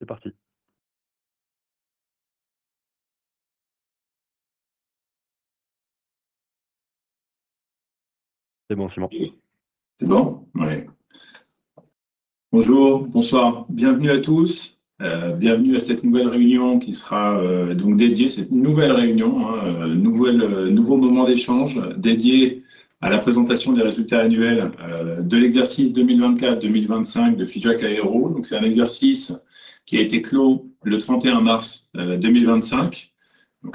C'est parti. C'est bon, c'est bon. C'est bon, oui. Bonjour, bonsoir, bienvenue à tous. Bienvenue à cette nouvelle réunion qui sera donc dédiée, cette nouvelle réunion, nouveau moment d'échange dédié à la présentation des résultats annuels de l'exercice 2024-2025 de Figeac Aero. C'est un exercice qui a été clos le 31 mars 2025.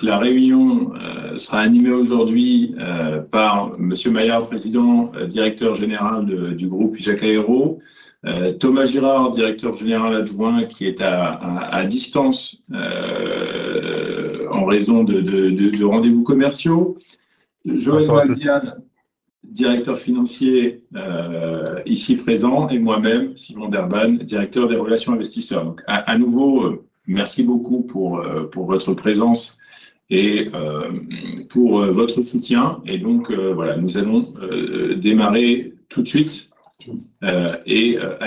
La réunion sera animée aujourd'hui par Monsieur Maillard, Président Directeur Général du groupe Figeac Aero; Thomas Girard, Directeur Général Adjoint, qui est à distance en raison de rendez-vous commerciaux; Joël Bastian, Directeur Financier ici présent; et moi-même, Simon Derbagne, Directeur des Relations Investisseurs. À nouveau, merci beaucoup pour votre présence et pour votre soutien. Nous allons démarrer tout de suite. À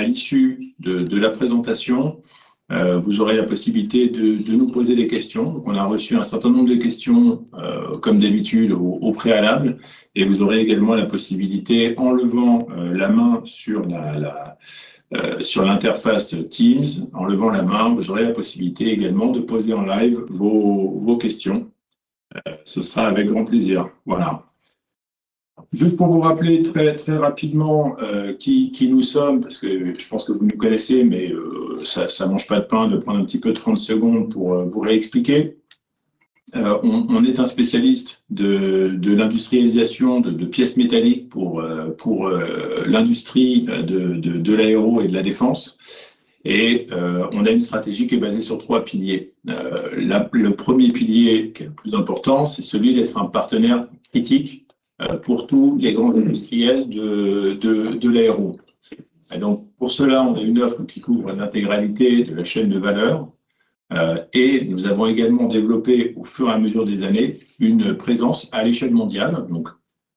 l'issue de la présentation, vous aurez la possibilité de nous poser des questions. On a reçu un certain nombre de questions, comme d'habitude, au préalable. Et vous aurez également la possibilité, en levant la main sur l'interface Teams, en levant la main, vous aurez la possibilité également de poser en live vos questions. Ce sera avec grand plaisir. Voilà. Juste pour vous rappeler très rapidement qui nous sommes, parce que je pense que vous nous connaissez, mais ça ne mange pas de pain de prendre un petit peu de 30 secondes pour vous réexpliquer. On est un spécialiste de l'industrialisation de pièces métalliques pour l'industrie de l'aéro et de la défense. Et on a une stratégie qui est basée sur trois piliers. Le premier pilier, qui est le plus important, c'est celui d'être un partenaire critique pour tous les grands industriels de l'aéro. Donc, pour cela, on a une offre qui couvre l'intégralité de la chaîne de valeur. Et nous avons également développé, au fur et à mesure des années, une présence à l'échelle mondiale. Donc,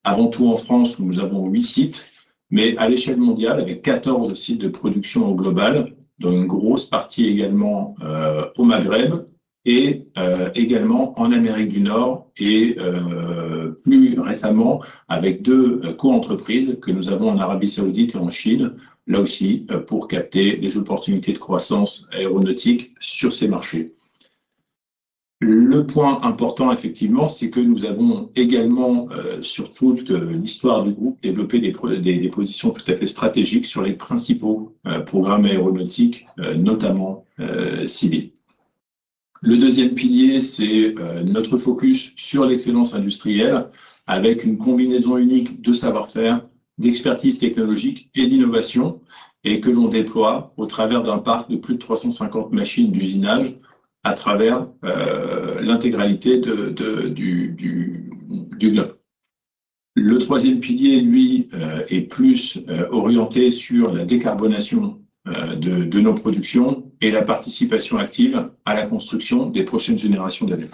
avant tout en France, où nous avons huit sites, mais à l'échelle mondiale avec 14 sites de production au global, dont une grosse partie également au Maghreb, et également en Amérique du Nord, et plus récemment avec deux coentreprises que nous avons en Arabie Saoudite et en Chine, là aussi pour capter des opportunités de croissance aéronautique sur ces marchés. Le point important, c'est que nous avons également, sur toute l'histoire du groupe, développé des positions tout à fait stratégiques sur les principaux programmes aéronautiques, notamment civils. Le deuxième pilier, c'est notre focus sur l'excellence industrielle, avec une combinaison unique de savoir-faire, d'expertise technologique et d'innovation, et que l'on déploie au travers d'un parc de plus de 350 machines d'usinage à travers l'intégralité du globe. Le troisième pilier, lui, est plus orienté sur la décarbonation de nos productions et la participation active à la construction des prochaines générations d'avions.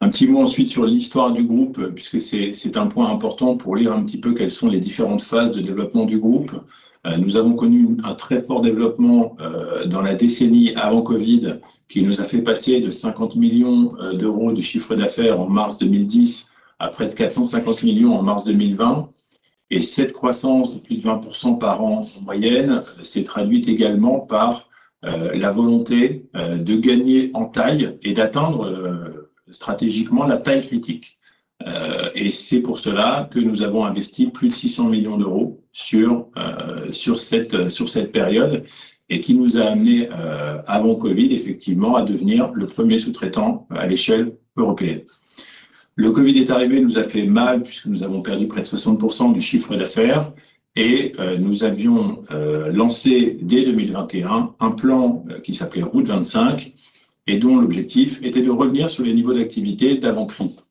Un petit mot ensuite sur l'histoire du groupe, puisque c'est un point important pour lire un petit peu quelles sont les différentes phases de développement du groupe. Nous avons connu un très fort développement dans la décennie avant Covid, qui nous a fait passer de 50 millions d'euros de chiffre d'affaires en mars 2010 à près de 450 millions en mars 2020. Et cette croissance de plus de 20% par an en moyenne s'est traduite également par la volonté de gagner en taille et d'atteindre stratégiquement la taille critique. Et c'est pour cela que nous avons investi plus de 600 millions d'euros sur cette période, et qui nous a amenés, avant Covid, effectivement, à devenir le premier sous-traitant à l'échelle européenne. Le Covid est arrivé et nous a fait mal, puisque nous avons perdu près de 60% du chiffre d'affaires. Nous avions lancé, dès 2021, un plan qui s'appelait Route 25, et dont l'objectif était de revenir sur les niveaux d'activité d'avant crise.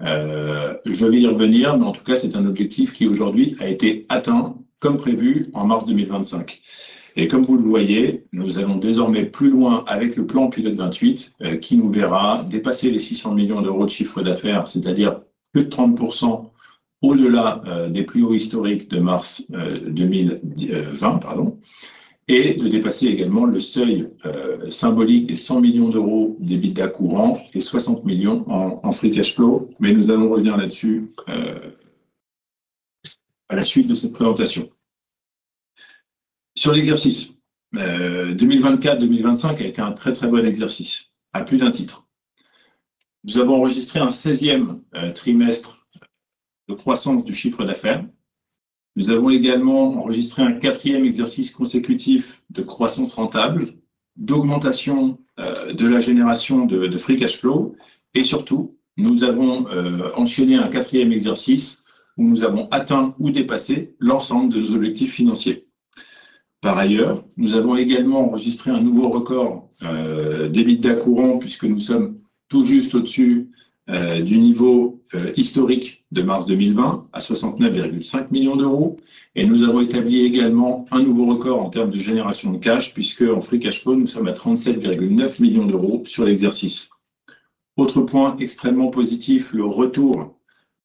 Je vais y revenir, mais en tout cas, c'est un objectif qui, aujourd'hui, a été atteint comme prévu en mars 2025. Comme vous le voyez, nous allons désormais plus loin avec le plan Pilote 28, qui nous verra dépasser les 600 millions d'euros de chiffre d'affaires, c'est-à-dire plus de 30% au-delà des plus hauts historiques de mars 2020, et de dépasser également le seuil symbolique des 100 millions d'euros d'EBITDA courant et 60 millions d'euros en free cash flow. Mais nous allons revenir là-dessus à la suite de cette présentation. Sur l'exercice 2024-2025 a été un très, très bon exercice, à plus d'un titre. Nous avons enregistré un 16e trimestre de croissance du chiffre d'affaires. Nous avons également enregistré un quatrième exercice consécutif de croissance rentable, d'augmentation de la génération de free cash flow, et surtout, nous avons enchaîné un quatrième exercice où nous avons atteint ou dépassé l'ensemble de nos objectifs financiers. Par ailleurs, nous avons également enregistré un nouveau record de débits courants, puisque nous sommes tout juste au-dessus du niveau historique de mars 2020, à 69,5 millions d'euros. Nous avons établi également un nouveau record en termes de génération de cash, puisqu'en free cash flow, nous sommes à 37,9 millions d'euros sur l'exercice. Autre point extrêmement positif, le retour,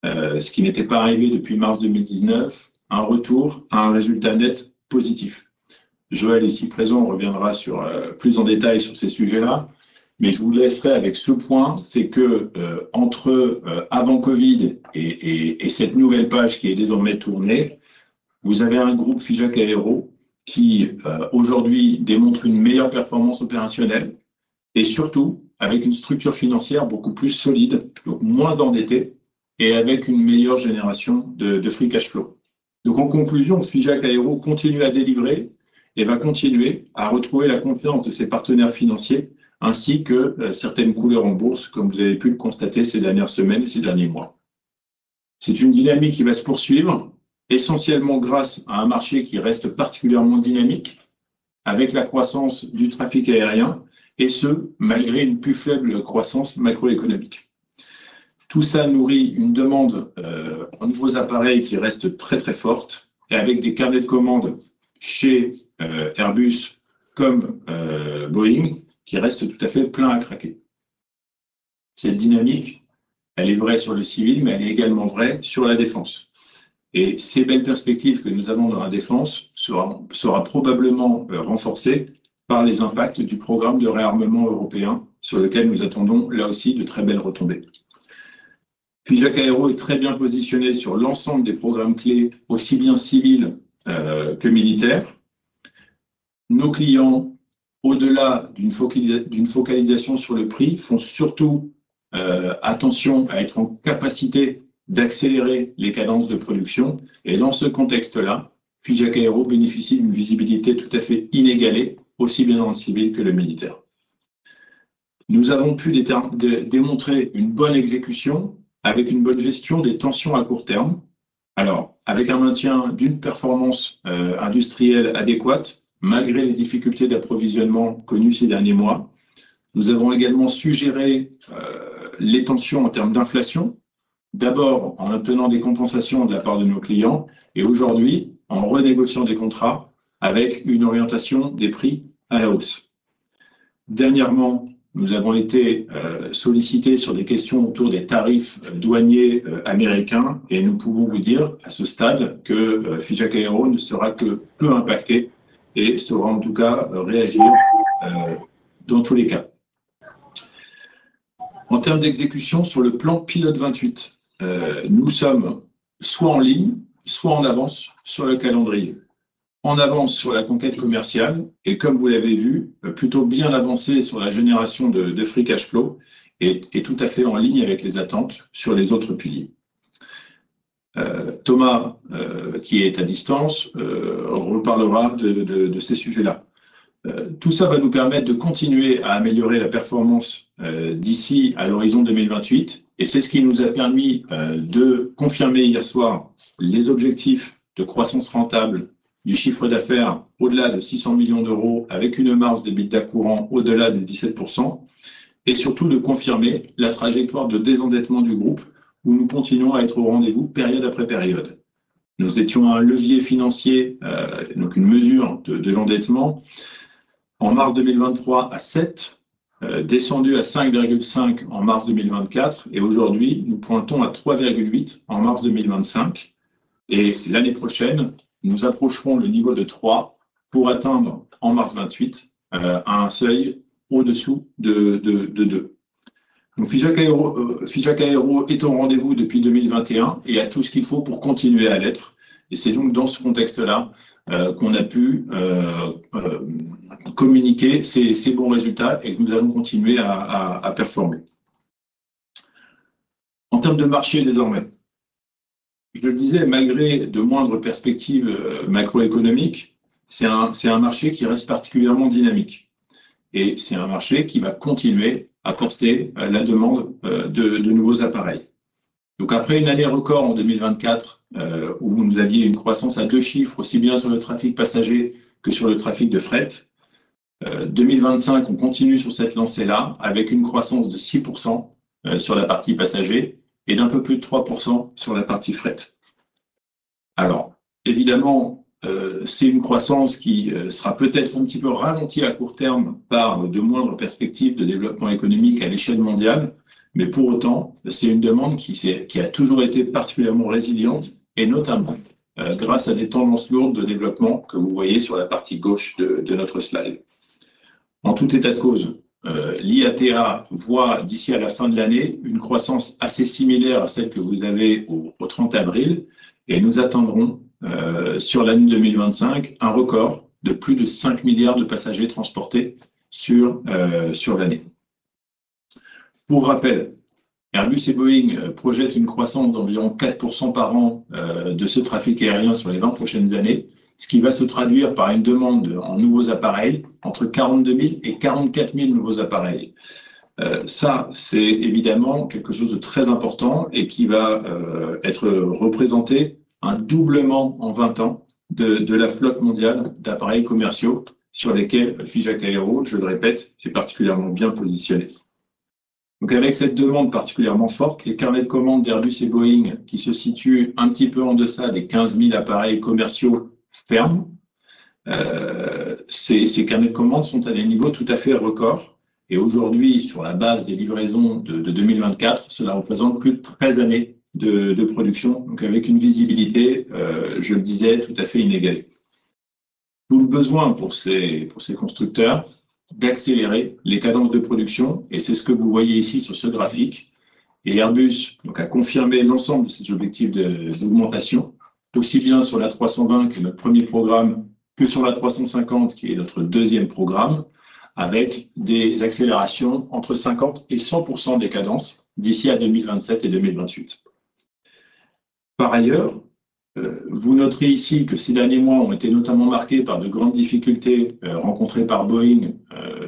ce qui n'était pas arrivé depuis mars 2019, un retour à un résultat net positif. Joël, ici présent, reviendra plus en détail sur ces sujets-là. Mais je vous laisserai avec ce point, c'est qu'entre avant Covid et cette nouvelle page qui est désormais tournée, vous avez un groupe Figeac Aero qui, aujourd'hui, démontre une meilleure performance opérationnelle, et surtout avec une structure financière beaucoup plus solide, moins endettée, et avec une meilleure génération de free cash flow. Donc, en conclusion, Figeac Aero continue à délivrer et va continuer à retrouver la confiance de ses partenaires financiers, ainsi que certaines couleurs en bourse, comme vous avez pu le constater ces dernières semaines et ces derniers mois. C'est une dynamique qui va se poursuivre, essentiellement grâce à un marché qui reste particulièrement dynamique, avec la croissance du trafic aérien, et ce, malgré une plus faible croissance macroéconomique. Tout ça nourrit une demande en nouveaux appareils qui reste très, très forte, et avec des carnets de commandes chez Airbus comme Boeing, qui restent tout à fait pleins à craquer. Cette dynamique, elle est vraie sur le civil, mais elle est également vraie sur la défense. Et ces belles perspectives que nous avons dans la défense seront probablement renforcées par les impacts du programme de réarmement européen, sur lequel nous attendons là aussi de très belles retombées. Figeac Aero est très bien positionné sur l'ensemble des programmes clés, aussi bien civils que militaires. Nos clients, au-delà d'une focalisation sur le prix, font surtout attention à être en capacité d'accélérer les cadences de production. Et dans ce contexte-là, Figeac Aero bénéficie d'une visibilité tout à fait inégalée, aussi bien dans le civil que le militaire. Nous avons pu démontrer une bonne exécution avec une bonne gestion des tensions à court terme. Alors, avec un maintien d'une performance industrielle adéquate, malgré les difficultés d'approvisionnement connues ces derniers mois, nous avons également géré les tensions en termes d'inflation, d'abord en obtenant des compensations de la part de nos clients, et aujourd'hui en renégociant des contrats avec une orientation des prix à la hausse. Dernièrement, nous avons été sollicités sur des questions autour des tarifs douaniers américains, et nous pouvons vous dire, à ce stade, que Figeac Aero ne sera que peu impacté et saura en tout cas réagir dans tous les cas. En termes d'exécution, sur le plan pilote 28, nous sommes soit en ligne, soit en avance sur le calendrier. En avance sur la conquête commerciale, et comme vous l'avez vu, plutôt bien avancé sur la génération de free cash flow, et tout à fait en ligne avec les attentes sur les autres piles. Thomas, qui est à distance, reparlera de ces sujets-là. Tout ça va nous permettre de continuer à améliorer la performance d'ici à l'horizon 2028, et c'est ce qui nous a permis de confirmer hier soir les objectifs de croissance rentable du chiffre d'affaires au-delà de €600 millions, avec une marge d'EBITDA courant au-delà de 17%, et surtout de confirmer la trajectoire de désendettement du groupe, où nous continuons à être au rendez-vous période après période. Nous étions à un levier financier, donc une mesure de l'endettement, en mars 2023 à 7, descendu à 5,5 en mars 2024, et aujourd'hui, nous pointons à 3,8 en mars 2025. Et l'année prochaine, nous approcherons le niveau de 3 pour atteindre, en mars 2028, un seuil au-dessous de 2. Donc, Figeac Aero est au rendez-vous depuis 2021 et a tout ce qu'il faut pour continuer à l'être. C'est donc dans ce contexte-là qu'on a pu communiquer ces bons résultats et que nous allons continuer à performer. En termes de marché désormais, je le disais, malgré de moindres perspectives macroéconomiques, c'est un marché qui reste particulièrement dynamique. C'est un marché qui va continuer à porter la demande de nouveaux appareils. Donc, après une année record en 2024, où vous aviez une croissance à deux chiffres, aussi bien sur le trafic passager que sur le trafic de fret, 2025, on continue sur cette lancée-là, avec une croissance de 6% sur la partie passager et d'un peu plus de 3% sur la partie fret. Alors, évidemment, c'est une croissance qui sera peut-être un petit peu ralentie à court terme par de moindres perspectives de développement économique à l'échelle mondiale, mais pour autant, c'est une demande qui a toujours été particulièrement résiliente, et notamment grâce à des tendances lourdes de développement que vous voyez sur la partie gauche de notre slide. En tout état de cause, l'IATA voit d'ici à la fin de l'année une croissance assez similaire à celle que vous avez au 30 avril, et nous attendrons sur l'année 2025 un record de plus de 5 milliards de passagers transportés sur l'année. Pour rappel, Airbus et Boeing projettent une croissance d'environ 4% par an de ce trafic aérien sur les 20 prochaines années, ce qui va se traduire par une demande en nouveaux appareils, entre 42 000 et 44 000 nouveaux appareils. Ça, c'est évidemment quelque chose de très important et qui va représenter un doublement en 20 ans de la flotte mondiale d'appareils commerciaux sur lesquels Figeac Aero, je le répète, est particulièrement bien positionné. Donc, avec cette demande particulièrement forte, les carnets de commande d'Airbus et Boeing, qui se situent un petit peu en deçà des 15 000 appareils commerciaux fermes, ces carnets de commande sont à des niveaux tout à fait record. Et aujourd'hui, sur la base des livraisons de 2024, cela représente plus de 13 années de production, donc avec une visibilité, je le disais, tout à fait inégalée. Tout le besoin pour ces constructeurs d'accélérer les cadences de production, et c'est ce que vous voyez ici sur ce graphique. Et Airbus a confirmé l'ensemble de ses objectifs d'augmentation, aussi bien sur la 320, qui est notre premier programme, que sur la 350, qui est notre deuxième programme, avec des accélérations entre 50% et 100% des cadences d'ici à 2027 et 2028. Par ailleurs, vous noterez ici que ces derniers mois ont été notamment marqués par de grandes difficultés rencontrées par Boeing,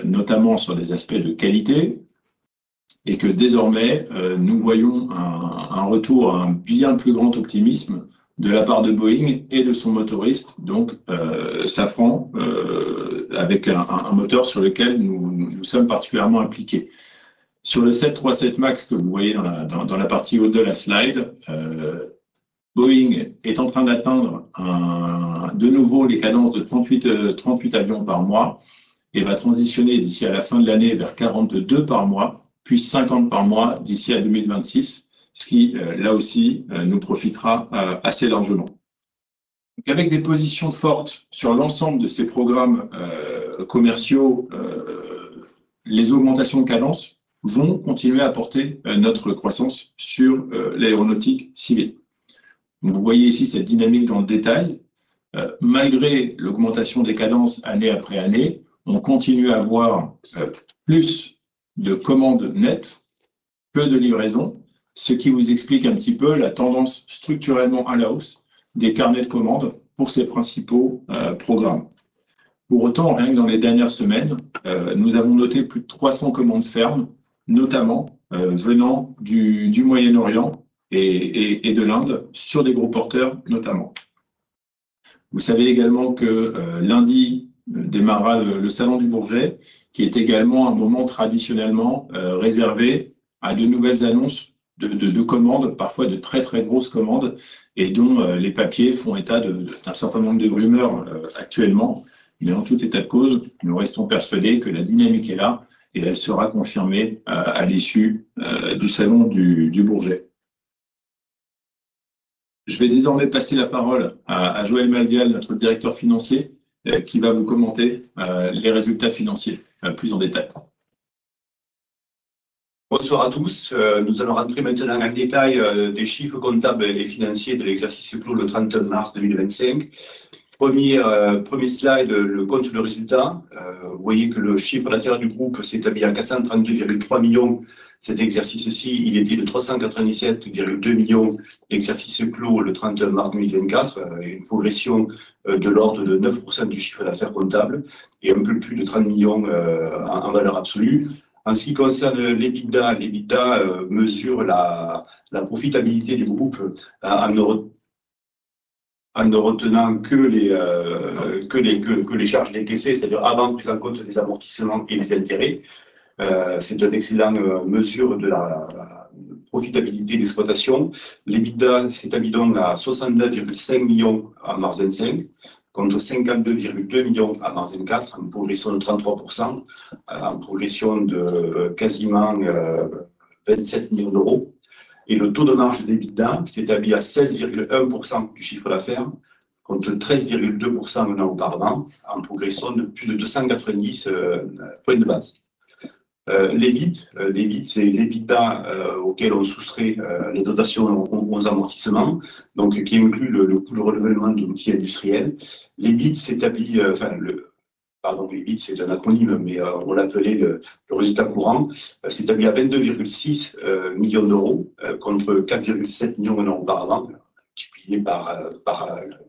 notamment sur des aspects de qualité, et que désormais, nous voyons un retour à un bien plus grand optimisme de la part de Boeing et de son motoriste, donc Safran, avec un moteur sur lequel nous sommes particulièrement impliqués. Sur le 737 MAX que vous voyez dans la partie haute de la slide, Boeing est en train d'atteindre de nouveau les cadences de 38 avions par mois et va transitionner d'ici à la fin de l'année vers 42 par mois, puis 50 par mois d'ici à 2026, ce qui, là aussi, nous profitera assez largement. Donc, avec des positions fortes sur l'ensemble de ces programmes commerciaux, les augmentations de cadences vont continuer à porter notre croissance sur l'aéronautique civile. Vous voyez ici cette dynamique dans le détail. Malgré l'augmentation des cadences année après année, on continue à avoir plus de commandes nettes, peu de livraisons, ce qui vous explique un petit peu la tendance structurellement à la hausse des carnets de commande pour ces principaux programmes. Pour autant, rien que dans les dernières semaines, nous avons noté plus de 300 commandes fermes, notamment venant du Moyen-Orient et de l'Inde, sur des gros porteurs notamment. Vous savez également que lundi démarrera le salon du Bourget, qui est également un moment traditionnellement réservé à de nouvelles annonces de commandes, parfois de très, très grosses commandes, et dont les papiers font état d'un certain nombre de rumeurs actuellement. Mais en tout état de cause, nous restons persuadés que la dynamique est là et elle sera confirmée à l'issue du salon du Bourget. Je vais désormais passer la parole à Joël Malgal, notre Directeur Financier, qui va vous commenter les résultats financiers plus en détail. Bonsoir à tous. Nous allons rentrer maintenant dans le détail des chiffres comptables et financiers de l'exercice clos le 30 mars 2025. Premier slide, le compte de résultat. Vous voyez que le chiffre d'affaires du groupe s'établit à 432,3 millions €. Cet exercice-ci, il était de 397,2 millions € d'exercice clos le 30 mars 2024, une progression de l'ordre de 9% du chiffre d'affaires comptable et un peu plus de 30 millions € en valeur absolue. En ce qui concerne l'EBITDA, l'EBITDA mesure la profitabilité du groupe en ne retenant que les charges décaissées, c'est-à-dire avant prise en compte des amortissements et des intérêts. C'est une excellente mesure de la profitabilité d'exploitation. L'EBITDA s'établit donc à 69,5 millions € en mars 2025, contre 52,2 millions € en mars 2024, en progression de 33%, en progression de quasiment 27 millions d'euros. Le taux de marge d'EBITDA s'établit à 16,1% du chiffre d'affaires, contre 13,2% précédemment, en progression de plus de 290 points de base. L'EBIT, c'est l'EBITDA auquel on soustrait les dotations aux amortissements, donc qui inclut le coût de renouvellement de l'outil industriel. L'EBIT s'établit... Enfin, pardon, l'EBIT c'est un acronyme, mais on l'appelait le résultat courant, s'établit à 22,6 millions d'euros, contre 4,7 millions d'euros auparavant, multiplié par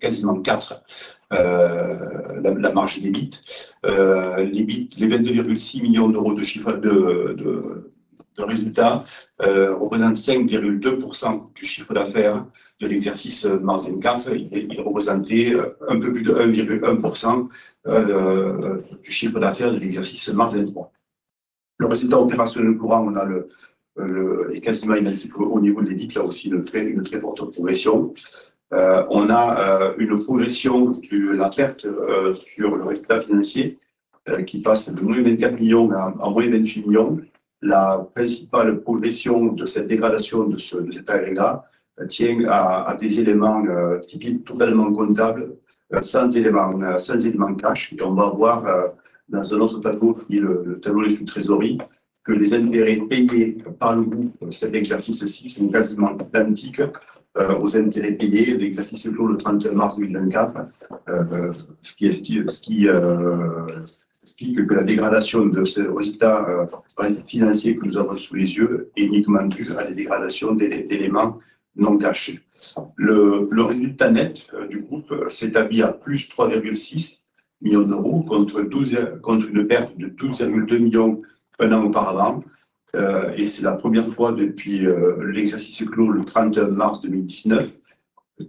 quasiment 4. La marge d'EBIT, les 22,6 millions d'euros de résultat, représentent 5,2% du chiffre d'affaires de l'exercice mars 24. Il représentait un peu plus de 1,1% du chiffre d'affaires de l'exercice mars 23. Le résultat opérationnel courant, on a quasiment identique au niveau de l'EBIT, là aussi une très forte progression. On a une progression de la perte sur le résultat financier qui passe de moins 24 millions à moins 28 millions. La principale progression de cette dégradation de cet agrégat tient à des éléments typiques totalement comptables, sans élément cash. Et on va voir dans un autre tableau, qui est le tableau des sous-trésoreries, que les intérêts payés par le groupe cet exercice-ci sont quasiment identiques aux intérêts payés de l'exercice clos le 30 mars 2024, ce qui explique que la dégradation de ce résultat financier que nous avons sous les yeux est uniquement due à des dégradations d'éléments non cash. Le résultat net du groupe s'établit à plus €3,6 millions, contre une perte de €12,2 millions un an auparavant. Et c'est la première fois depuis l'exercice clos le 30 mars 2019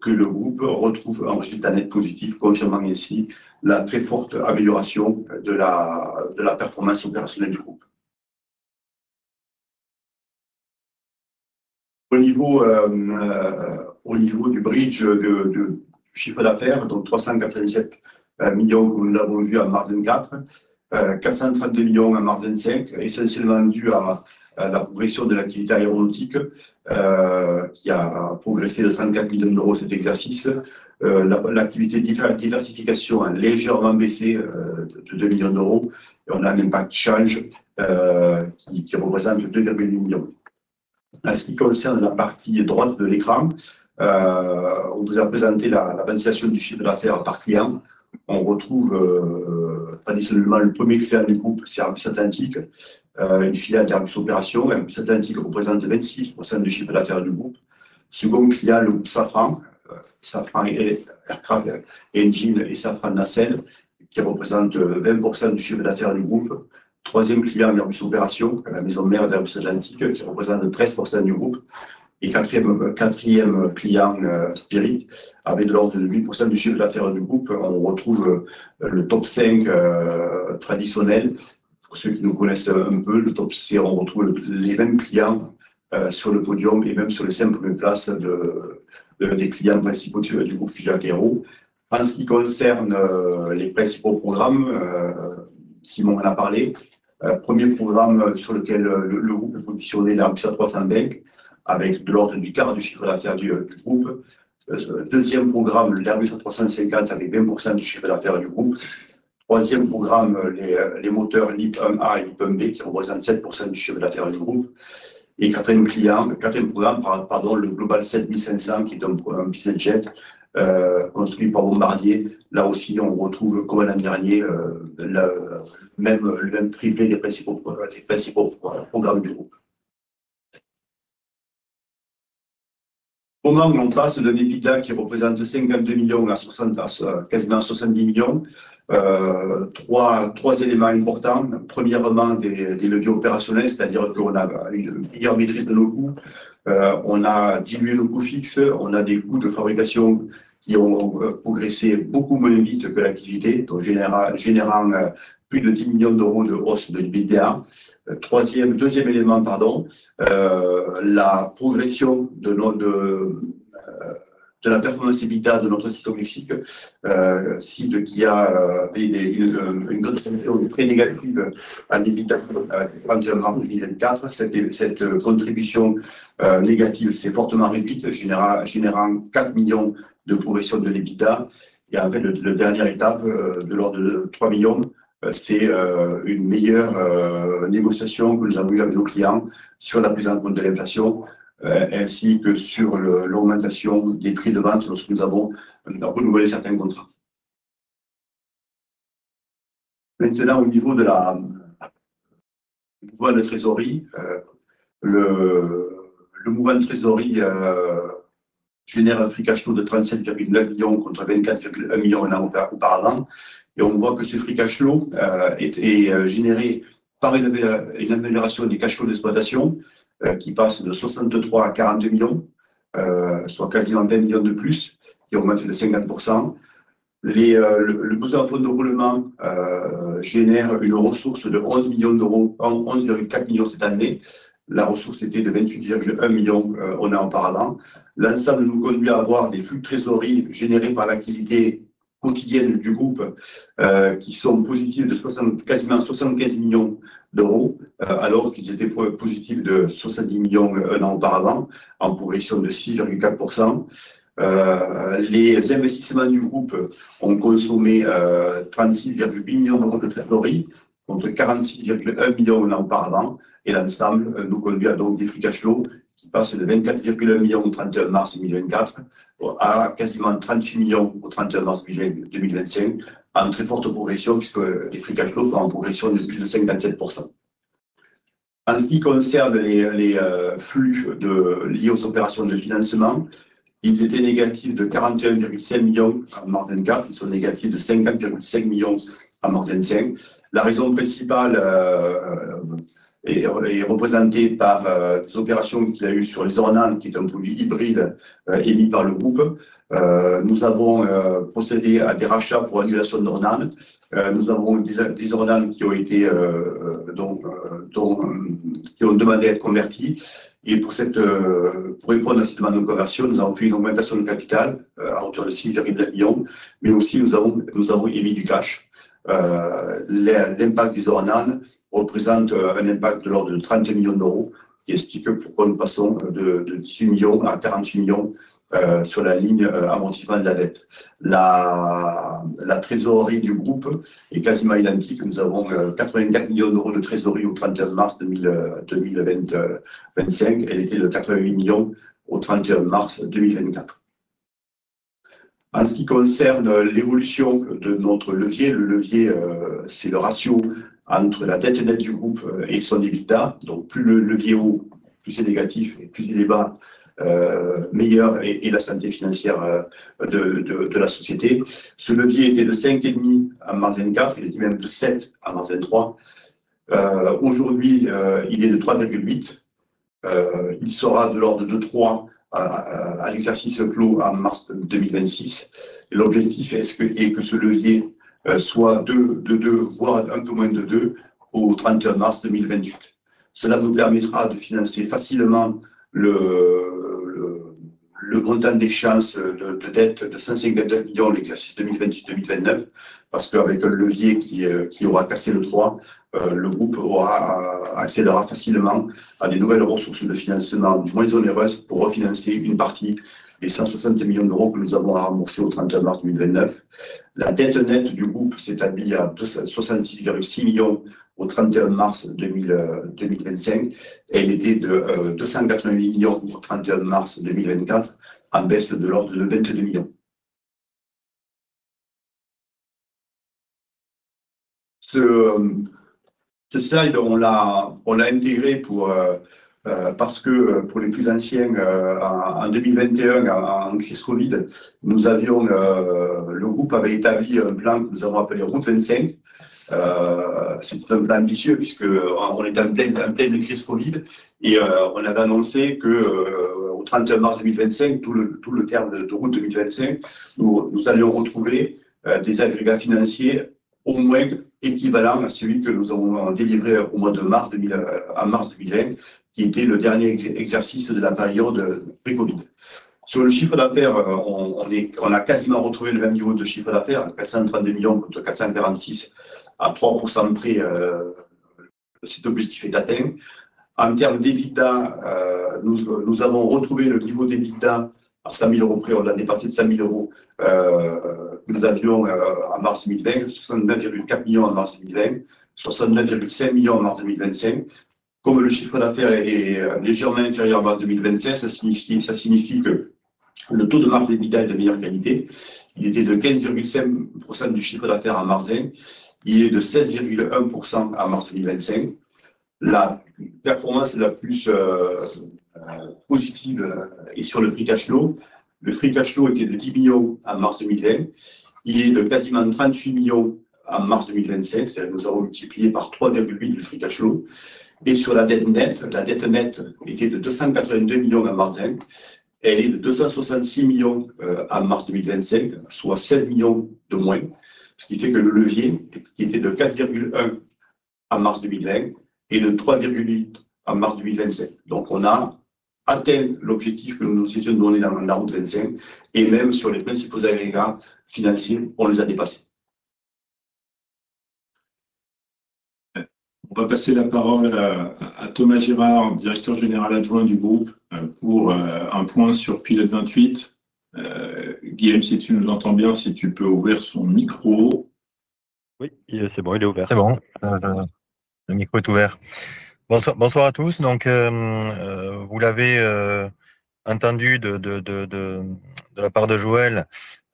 que le groupe retrouve un résultat net positif, confirmant ainsi la très forte amélioration de la performance opérationnelle du groupe. Au niveau du bridge du chiffre d'affaires, donc 387 millions que nous l'avons vu en mars 2024, 432 millions en mars 2025, essentiellement dû à la progression de l'activité aéronautique qui a progressé de 34 millions d'euros cet exercice. L'activité diversification a légèrement baissé de 2 millions d'euros et on a un impact change qui représente 2,8 millions. En ce qui concerne la partie droite de l'écran, on vous a présenté la ventilation du chiffre d'affaires par client. On retrouve traditionnellement le premier client du groupe, Airbus Atlantique, une filiale d'Airbus Opérations. Airbus Atlantique représente 26% du chiffre d'affaires du groupe. Second client, le groupe Safran, Safran Aircraft Engine et Safran Nacelles, qui représentent 20% du chiffre d'affaires du groupe. Troisième client, Airbus Opérations, la maison mère d'Airbus Atlantique, qui représente 13% du groupe. Et quatrième client, Spirit, avec de l'ordre de 8% du chiffre d'affaires du groupe. On retrouve le top 5 traditionnel. Pour ceux qui nous connaissent un peu, le top 5, on retrouve les mêmes clients sur le podium et même sur les simples places des clients principaux du groupe Figeac Aero. En ce qui concerne les principaux programmes, Simon en a parlé. Premier programme sur lequel le groupe est positionné, l'Airbus A320, avec de l'ordre du quart du chiffre d'affaires du groupe. Deuxième programme, l'Airbus A350, avec 20% du chiffre d'affaires du groupe. Troisième programme, les moteurs LEAP-1A et LEAP-1B, qui représentent 7% du chiffre d'affaires du groupe. Et quatrième programme, le Global 7500, qui est un business jet construit par Bombardier. Là aussi, on retrouve, comme l'an dernier, l'un des principaux programmes du groupe. Au moment où on passe de l'EBITDA, qui représente €52 millions à quasiment €70 millions, trois éléments importants. Premièrement, des leviers opérationnels, c'est-à-dire qu'on a une meilleure maîtrise de nos coûts. On a dilué nos coûts fixes. On a des coûts de fabrication qui ont progressé beaucoup moins vite que l'activité, générant plus de €10 millions de hausse de l'EBITDA. Deuxième élément, la progression de la performance EBITDA de notre site au Mexique, site qui avait une contribution très négative en EBITDA en 2024. Cette contribution négative s'est fortement réduite, générant €4 millions de progression de l'EBITDA. La dernière étape de l'ordre de €3 millions, c'est une meilleure négociation que nous avons eue avec nos clients sur la prise en compte de l'inflation, ainsi que sur l'augmentation des prix de vente lorsque nous avons renouvelé certains contrats. Maintenant, au niveau du mouvement de trésorerie, le mouvement de trésorerie génère un free cash flow de 37,9 millions contre 24,1 millions l'an auparavant. On voit que ce free cash flow est généré par une amélioration des cash flows d'exploitation, qui passent de 63 à 42 millions, soit quasiment 20 millions de plus, qui augmentent de 50%. Le besoin de fonds de roulement génère une ressource de 11 millions d'euros, 11,4 millions cette année. La ressource était de 28,1 millions un an auparavant. L'ensemble nous conduit à avoir des flux de trésorerie générés par l'activité quotidienne du groupe, qui sont positifs de quasiment 75 millions d'euros, alors qu'ils étaient positifs de 70 millions un an auparavant, en progression de 6,4%. Les investissements du groupe ont consommé 36,8 millions d'euros de trésorerie, contre 46,1 millions l'an auparavant. Et l'ensemble nous conduit à donc des free cash flows qui passent de €24,1 millions le 31 mars 2024 à quasiment €38 millions au 31 mars 2025, en très forte progression, puisque les free cash flows sont en progression de plus de 57%. En ce qui concerne les flux liés aux opérations de financement, ils étaient négatifs de €41,5 millions en mars 2024. Ils sont négatifs de €50,5 millions en mars 2025. La raison principale est représentée par des opérations qu'il y a eues sur les ORNANS, qui est un produit hybride émis par le groupe. Nous avons procédé à des rachats pour annulation d'ORNANS. Nous avons des ORNANS qui ont été, donc qui ont demandé à être convertis. Et pour répondre à ces demandes de conversion, nous avons fait une augmentation de capital à hauteur de €6,9 millions, mais aussi nous avons émis du cash. L'impact des ornans représente un impact de l'ordre de 30 millions d'euros, qui explique pourquoi nous passons de 18 millions à 48 millions sur la ligne amortissement de la dette. La trésorerie du groupe est quasiment identique. Nous avons 84 millions d'euros de trésorerie au 31 mars 2025. Elle était de 88 millions au 31 mars 2024. En ce qui concerne l'évolution de notre levier, le levier, c'est le ratio entre la dette nette du groupe et son EBITDA. Donc, plus le levier est haut, plus c'est négatif, et plus il est bas, meilleure est la santé financière de la société. Ce levier était de 5,5 en mars 2024, il était même de 7 en mars 2023. Aujourd'hui, il est de 3,8. Il sera de l'ordre de 3 à l'exercice clos en mars 2026. L'objectif est que ce levier soit de 2, voire un peu moins de 2 au 31 mars 2028. Cela nous permettra de financer facilement le montant des échéances de dette de €159 millions l'exercice 2028-2029, parce qu'avec un levier qui aura cassé le 3, le groupe accédera facilement à des nouvelles ressources de financement moins onéreuses pour refinancer une partie des €160 millions que nous avons à rembourser au 31 mars 2029. La dette nette du groupe s'établit à €66,6 millions au 31 mars 2025. Elle était de €288 millions au 31 mars 2024, en baisse de l'ordre de €22 millions. Ce slide, on l'a intégré parce que pour les plus anciens, en 2021, en crise Covid, le groupe avait établi un plan que nous avons appelé Route 25. C'est un plan ambitieux, puisqu'on est en pleine crise Covid. Et on avait annoncé qu'au 31 mars 2025, tout le terme de Route 2025, nous allions retrouver des agrégats financiers au moins équivalents à celui que nous avons délivré au mois de mars 2020, qui était le dernier exercice de la période pré-Covid. Sur le chiffre d'affaires, on a quasiment retrouvé le même niveau de chiffre d'affaires, €432 millions contre €446 millions, à 3% près. Cet objectif est atteint. En termes d'EBITDA, nous avons retrouvé le niveau d'EBITDA à €100 000 près. On l'a dépassé de €100 000 que nous avions en mars 2020, €69,4 millions en mars 2020, €69,5 millions en mars 2025. Comme le chiffre d'affaires est légèrement inférieur en mars 2025, ça signifie que le taux de marge d'EBITDA est de meilleure qualité. Il était de 15,5% du chiffre d'affaires en mars 2020. Il est de 16,1% en mars 2025. La performance la plus positive est sur le free cash flow. Le free cash flow était de €10 millions en mars 2020. Il est de quasiment €38 millions en mars 2025. C'est-à-dire que nous avons multiplié par 3,8 le free cash flow. Sur la dette nette, la dette nette était de €282 millions en mars 2020. Elle est de €266 millions en mars 2025, soit €16 millions de moins. Ce qui fait que le levier, qui était de 4,1 en mars 2020, est de 3,8 en mars 2025. Donc, on a atteint l'objectif que nous nous étions donné dans la Route 25. Même sur les principaux agrégats financiers, on les a dépassés. On va passer la parole à Thomas Girard, Directeur Général Adjoint du groupe, pour un point sur Pilote 28. Guillaume, si tu nous entends bien, si tu peux ouvrir son micro. Oui, c'est bon, il est ouvert. C'est bon, le micro est ouvert. Bonsoir à tous. Donc, vous l'avez entendu de la part de Joël.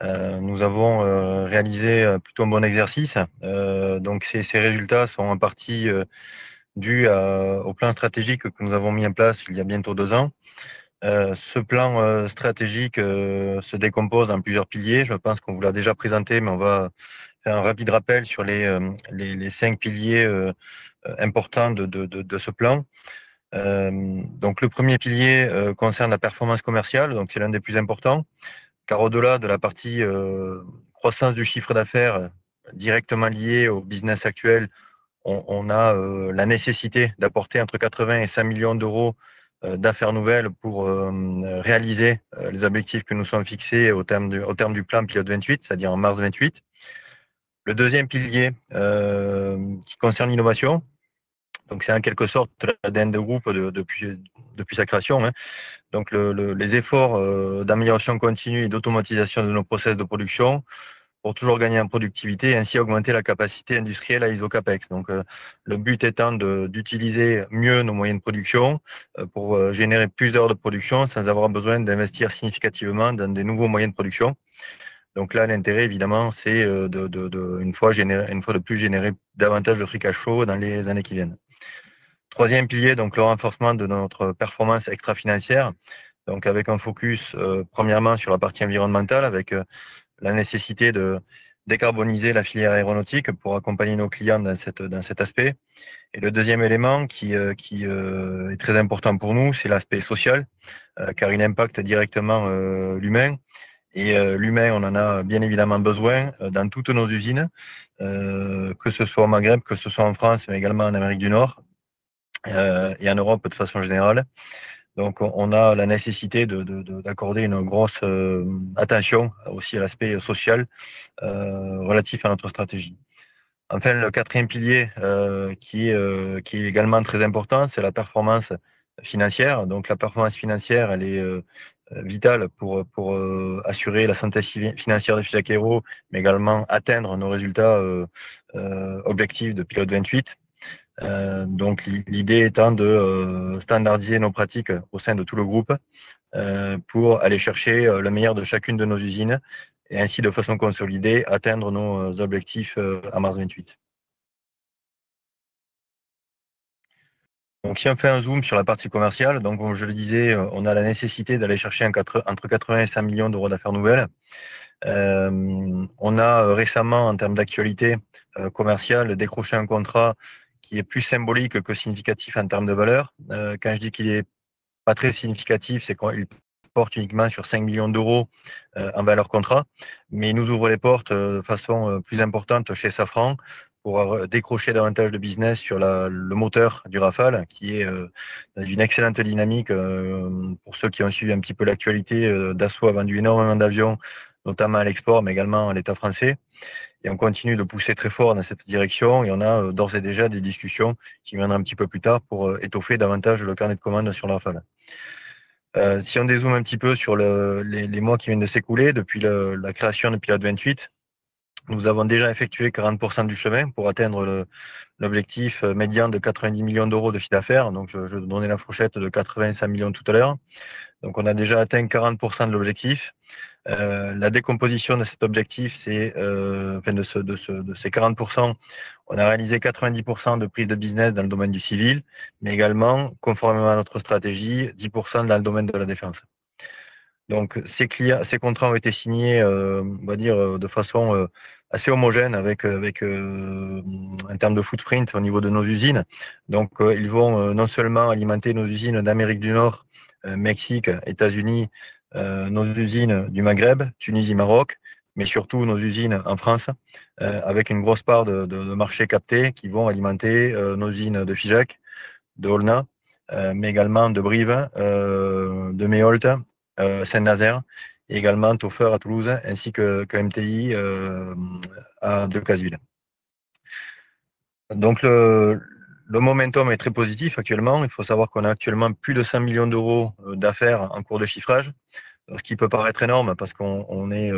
Nous avons réalisé plutôt un bon exercice. Donc ces résultats sont en partie dus au plan stratégique que nous avons mis en place il y a bientôt deux ans. Ce plan stratégique se décompose en plusieurs piliers. Je pense qu'on vous l'a déjà présenté, mais on va faire un rapide rappel sur les cinq piliers importants de ce plan. Donc le premier pilier concerne la performance commerciale. C'est l'un des plus importants. Car au-delà de la partie croissance du chiffre d'affaires directement liée au business actuel, on a la nécessité d'apporter entre 80 et 100 millions d'euros d'affaires nouvelles pour réaliser les objectifs que nous nous sommes fixés au terme du plan pilote 28, c'est-à-dire en mars 28. Le deuxième pilier qui concerne l'innovation. C'est en quelque sorte l'ADN du groupe depuis sa création. Les efforts d'amélioration continue et d'automatisation de nos process de production pour toujours gagner en productivité et ainsi augmenter la capacité industrielle à ISOCAPEX. Le but étant d'utiliser mieux nos moyens de production pour générer plus d'heures de production sans avoir besoin d'investir significativement dans des nouveaux moyens de production. L'intérêt, évidemment, c'est de, une fois de plus, générer davantage de free cash flow dans les années qui viennent. Troisième pilier, donc le renforcement de notre performance extra-financière. Avec un focus premièrement sur la partie environnementale, avec la nécessité de décarboniser la filière aéronautique pour accompagner nos clients dans cet aspect. Le deuxième élément qui est très important pour nous, c'est l'aspect social, car il impacte directement l'humain. L'humain, on en a bien évidemment besoin dans toutes nos usines, que ce soit au Maghreb, que ce soit en France, mais également en Amérique du Nord et en Europe de façon générale. On a la nécessité d'accorder une grosse attention aussi à l'aspect social relatif à notre stratégie. Enfin, le quatrième pilier qui est également très important, c'est la performance financière. Donc, la performance financière, elle est vitale pour assurer la santé financière de Figeac Aero, mais également atteindre nos objectifs de pilote 28. Donc, l'idée étant de standardiser nos pratiques au sein de tout le groupe pour aller chercher le meilleur de chacune de nos usines et ainsi, de façon consolidée, atteindre nos objectifs à mars 28. Si on fait un zoom sur la partie commerciale, donc comme je le disais, on a la nécessité d'aller chercher entre €80 et €100 millions d'affaires nouvelles. On a récemment, en termes d'actualité commerciale, décroché un contrat qui est plus symbolique que significatif en termes de valeur. Quand je dis qu'il n'est pas très significatif, c'est qu'il porte uniquement sur €5 millions en valeur contrat. Mais il nous ouvre les portes de façon plus importante chez Safran pour décrocher davantage de business sur le moteur du Rafale, qui est dans une excellente dynamique pour ceux qui ont suivi un petit peu l'actualité. Dassault a vendu énormément d'avions, notamment à l'export, mais également à l'État français. On continue de pousser très fort dans cette direction. On a d'ores et déjà des discussions qui viendront un petit peu plus tard pour étoffer davantage le carnet de commandes sur le Rafale. Si on dézoome un petit peu sur les mois qui viennent de s'écouler depuis la création du pilote 28, nous avons déjà effectué 40% du chemin pour atteindre l'objectif médian de €90 millions de chiffre d'affaires. Je donnais la fourchette de €80 à €100 millions tout à l'heure. Donc, on a déjà atteint 40% de l'objectif. La décomposition de cet objectif, c'est enfin de ces 40%, on a réalisé 90% de prise de business dans le domaine du civil, mais également, conformément à notre stratégie, 10% dans le domaine de la défense. Donc, ces contrats ont été signés, on va dire, de façon assez homogène avec en termes de footprint au niveau de nos usines. Donc, ils vont non seulement alimenter nos usines d'Amérique du Nord, Mexique, États-Unis, nos usines du Maghreb, Tunisie, Maroc, mais surtout nos usines en France, avec une grosse part de marché capté qui vont alimenter nos usines de Figeac, de Aulnat, mais également de Brive, de Meaulnes, Saint-Nazaire, et également Tofeur à Toulouse, ainsi que MTI à De Caseville. Donc, le momentum est très positif actuellement. Il faut savoir qu'on a actuellement plus de 100 millions d'euros d'affaires en cours de chiffrage, ce qui peut paraître énorme parce qu'on est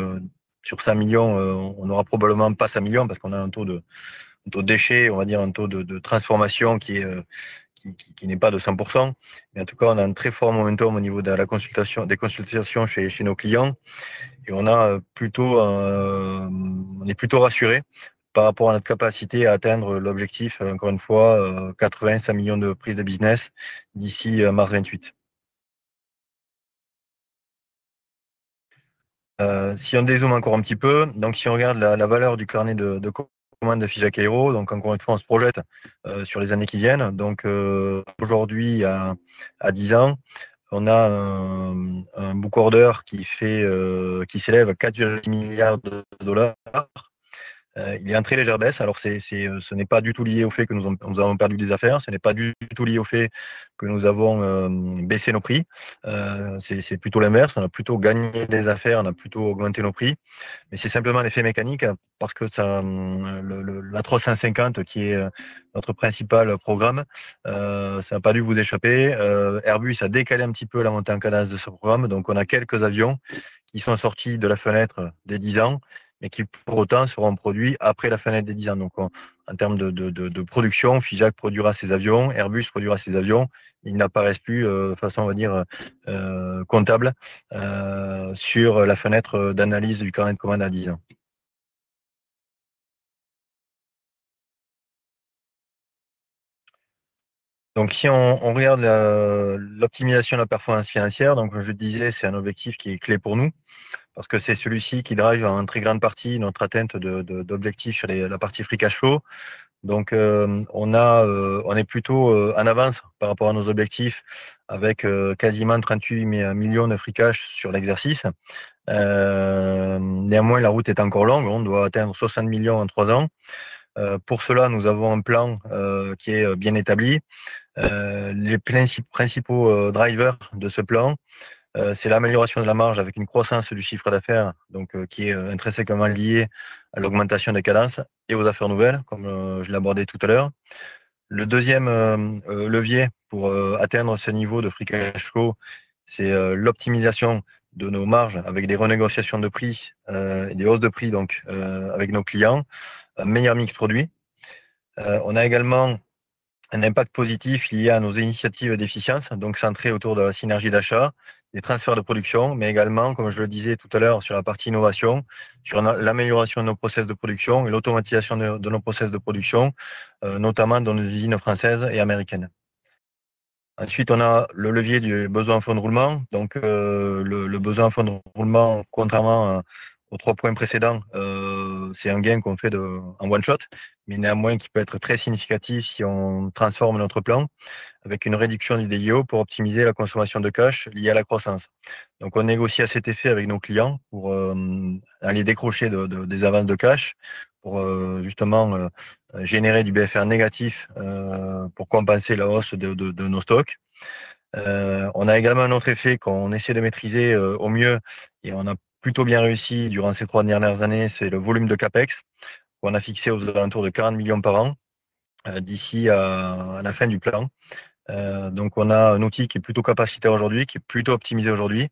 sur 100 millions. On n'aura probablement pas 100 millions parce qu'on a un taux de déchet, on va dire un taux de transformation qui n'est pas de 100%. Mais en tout cas, on a un très fort momentum au niveau des consultations chez nos clients. On est plutôt rassuré par rapport à notre capacité à atteindre l'objectif, encore une fois, 80 à 100 millions d'euros de prise de business d'ici mars 2028. Si on dézoome encore un petit peu, si on regarde la valeur du carnet de commandes de Figeac Aero, on se projette sur les années qui viennent. Donc, aujourd'hui, à 10 ans, on a un book order qui s'élève à 4,8 milliards de dollars. Il est en très légère baisse. Alors, ce n'est pas du tout lié au fait que nous avons perdu des affaires. Ce n'est pas du tout lié au fait que nous avons baissé nos prix. C'est plutôt l'inverse. On a plutôt gagné des affaires. On a plutôt augmenté nos prix. Mais c'est simplement l'effet mécanique parce que la 350, qui est notre principal programme, ça n'a pas dû vous échapper. Airbus a décalé un petit peu la montée en cadence de ce programme. Donc, on a quelques avions qui sont sortis de la fenêtre des 10 ans, mais qui pour autant seront produits après la fenêtre des 10 ans. Donc, en termes de production, Figeac produira ses avions, Airbus produira ses avions. Ils n'apparaissent plus de façon, on va dire, comptable sur la fenêtre d'analyse du carnet de commandes à 10 ans. Donc, si on regarde l'optimisation de la performance financière, donc je le disais, c'est un objectif qui est clé pour nous, parce que c'est celui-ci qui drive en très grande partie notre atteinte d'objectifs sur la partie free cash flow. Donc, on a, on est plutôt en avance par rapport à nos objectifs avec quasiment €38 millions de free cash sur l'exercice. Néanmoins, la route est encore longue. On doit atteindre €60 millions en trois ans. Pour cela, nous avons un plan qui est bien établi. Les principaux drivers de ce plan, c'est l'amélioration de la marge avec une croissance du chiffre d'affaires, donc qui est intrinsèquement liée à l'augmentation des cadences et aux affaires nouvelles, comme je l'ai abordé tout à l'heure. Le deuxième levier pour atteindre ce niveau de free cash flow, c'est l'optimisation de nos marges avec des renégociations de prix et des hausses de prix, donc avec nos clients, un meilleur mix produit. On a également un impact positif lié à nos initiatives d'efficience, donc centrées autour de la synergie d'achat, des transferts de production, mais également, comme je le disais tout à l'heure, sur la partie innovation, sur l'amélioration de nos process de production et l'automatisation de nos process de production, notamment dans nos usines françaises et américaines. Ensuite, on a le levier du besoin en fonds de roulement. Donc, le besoin en fonds de roulement, contrairement aux trois points précédents, c'est un gain qu'on fait en one shot, mais néanmoins qui peut être très significatif si on transforme notre plan avec une réduction du DIO pour optimiser la consommation de cash liée à la croissance. Donc, on négocie à cet effet avec nos clients pour aller décrocher des avances de cash pour justement générer du BFR négatif pour compenser la hausse de nos stocks. On a également un autre effet qu'on essaie de maîtriser au mieux et on a plutôt bien réussi durant ces trois dernières années, c'est le volume de CAPEX qu'on a fixé aux alentours de €40 millions par an d'ici à la fin du plan. Donc, on a un outil qui est plutôt capacitaire aujourd'hui, qui est plutôt optimisé aujourd'hui.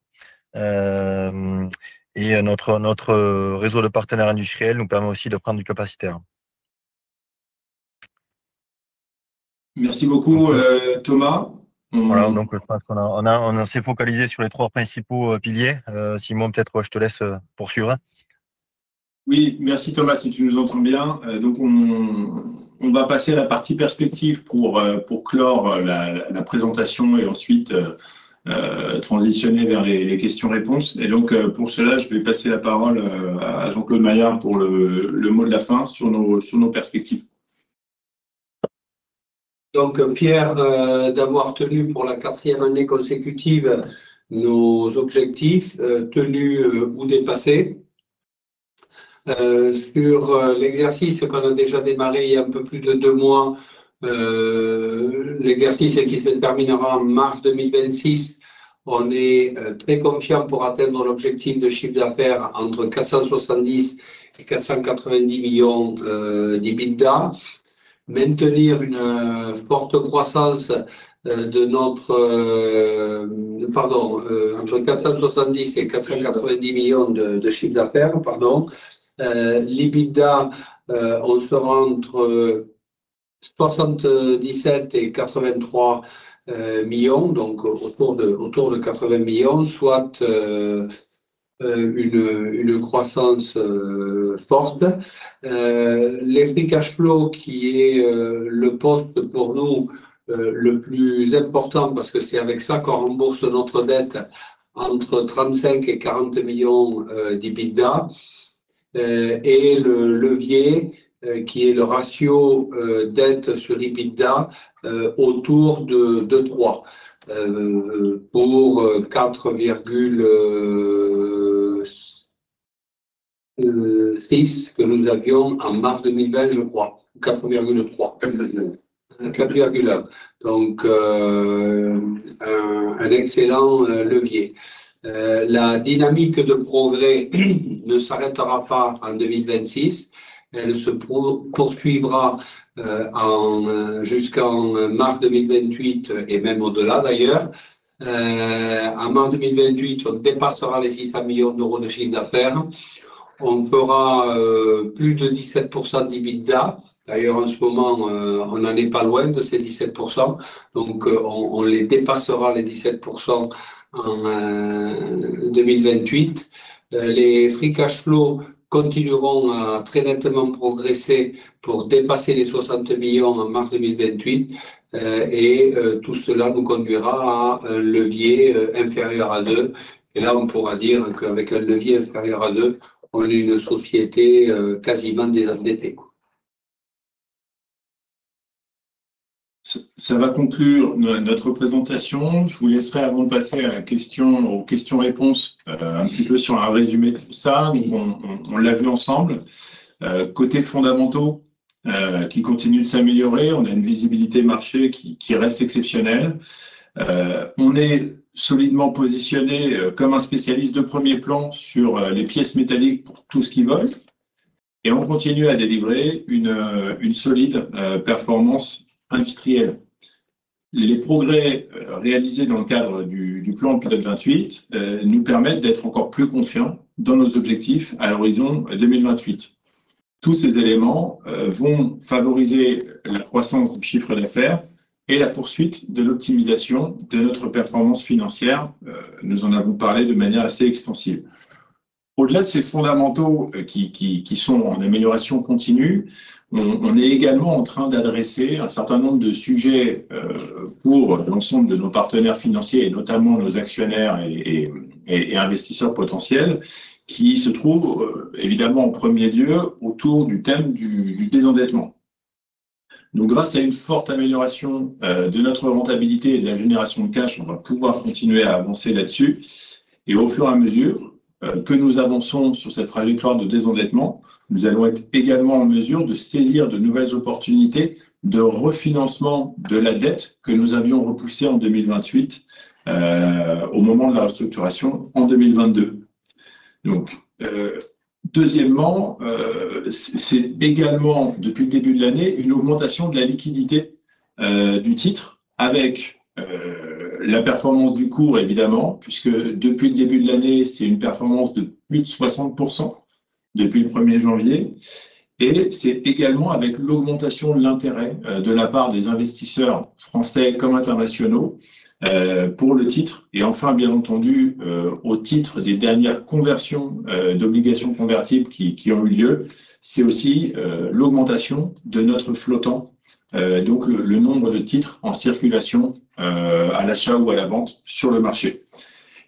Et notre réseau de partenaires industriels nous permet aussi de prendre du capacitaire. Merci beaucoup, Thomas. Voilà, donc je pense qu'on s'est focalisé sur les trois principaux piliers. Simon, peut-être je te laisse poursuivre. Oui, merci Thomas, si tu nous entends bien. Donc, on va passer à la partie perspective pour clore la présentation et ensuite transitionner vers les questions-réponses. Et donc, pour cela, je vais passer la parole à Jean-Claude Maillard pour le mot de la fin sur nos perspectives. Donc, fiers d'avoir tenu pour la quatrième année consécutive nos objectifs, tenus ou dépassés. Sur l'exercice qu'on a déjà démarré il y a un peu plus de deux mois, l'exercice qui se terminera en mars 2026, on est très confiants pour atteindre l'objectif de chiffre d'affaires entre 470 et 490 millions. L'EBITDA, on sera entre 77 et 83 millions, donc autour de 80 millions, soit une croissance forte. L'esprit cash flow, qui est le poste pour nous le plus important, parce que c'est avec ça qu'on rembourse notre dette entre 35 et 40 millions d'EBITDA, et le levier qui est le ratio dette sur EBITDA autour de 3 pour 4,6 que nous avions en mars 2020, je crois, 4,3. Donc un excellent levier. La dynamique de progrès ne s'arrêtera pas en 2026. Elle se poursuivra jusqu'en mars 2028 et même au-delà, d'ailleurs. En mars 2028, on dépassera les 600 millions d'euros de chiffre d'affaires. On fera plus de 17% d'EBITDA. D'ailleurs, en ce moment, on n'en est pas loin de ces 17%. Donc on les dépassera, les 17% en 2028. Les free cash flow continueront à très nettement progresser pour dépasser les 60 millions en mars 2028. Et tout cela nous conduira à un levier inférieur à 2. Et là, on pourra dire qu'avec un levier inférieur à 2, on est une société quasiment désendettée. Ça va conclure notre présentation. Je vous laisserai, avant de passer aux questions-réponses, un petit peu sur un résumé de tout ça. Donc on l'a vu ensemble. Côté fondamentaux, qui continuent de s'améliorer, on a une visibilité marché qui reste exceptionnelle. On est solidement positionné comme un spécialiste de premier plan sur les pièces métalliques pour tout ce qu'ils veulent. Et on continue à délivrer une solide performance industrielle. Les progrès réalisés dans le cadre du plan pilote 28 nous permettent d'être encore plus confiants dans nos objectifs à l'horizon 2028. Tous ces éléments vont favoriser la croissance du chiffre d'affaires et la poursuite de l'optimisation de notre performance financière. Nous en avons parlé de manière assez extensive. Au-delà de ces fondamentaux qui sont en amélioration continue, on est également en train d'adresser un certain nombre de sujets pour l'ensemble de nos partenaires financiers et notamment nos actionnaires et investisseurs potentiels qui se trouvent évidemment en premier lieu autour du thème du désendettement. Donc grâce à une forte amélioration de notre rentabilité et de la génération de cash, on va pouvoir continuer à avancer là-dessus. Au fur et à mesure que nous avançons sur cette trajectoire de désendettement, nous allons être également en mesure de saisir de nouvelles opportunités de refinancement de la dette que nous avions repoussée en 2028 au moment de la restructuration en 2022. Donc deuxièmement, c'est également depuis le début de l'année une augmentation de la liquidité du titre avec la performance du cours, évidemment, puisque depuis le début de l'année, c'est une performance de plus de 60% depuis le 1er janvier. Et c'est également avec l'augmentation de l'intérêt de la part des investisseurs français comme internationaux pour le titre. Et enfin, bien entendu, au titre des dernières conversions d'obligations convertibles qui ont eu lieu, c'est aussi l'augmentation de notre flottant, donc le nombre de titres en circulation à l'achat ou à la vente sur le marché.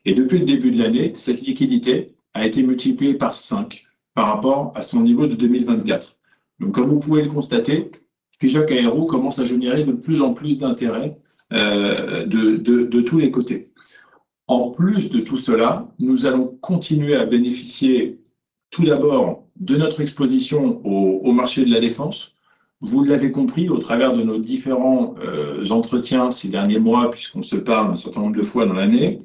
Et depuis le début de l'année, cette liquidité a été multipliée par 5 par rapport à son niveau de 2024. Donc comme vous pouvez le constater, Figeac Aero commence à générer de plus en plus d'intérêt de tous les côtés. En plus de tout cela, nous allons continuer à bénéficier tout d'abord de notre exposition au marché de la défense. Vous l'avez compris, au travers de nos différents entretiens ces derniers mois, puisqu'on se parle un certain nombre de fois dans l'année,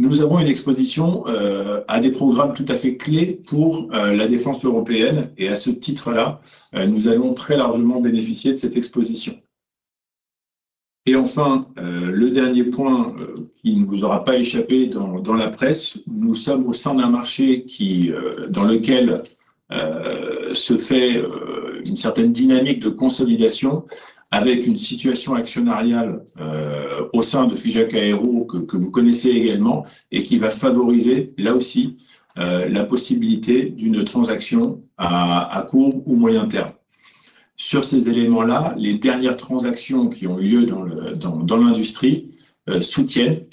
nous avons une exposition à des programmes tout à fait clés pour la défense européenne. À ce titre-là, nous allons très largement bénéficier de cette exposition. Enfin, le dernier point qui ne vous aura pas échappé dans la presse, nous sommes au sein d'un marché dans lequel se fait une certaine dynamique de consolidation avec une situation actionnariale au sein de Figeac Aero que vous connaissez également et qui va favoriser là aussi la possibilité d'une transaction à court ou moyen terme. Sur ces éléments-là, les dernières transactions qui ont eu lieu dans l'industrie soutiennent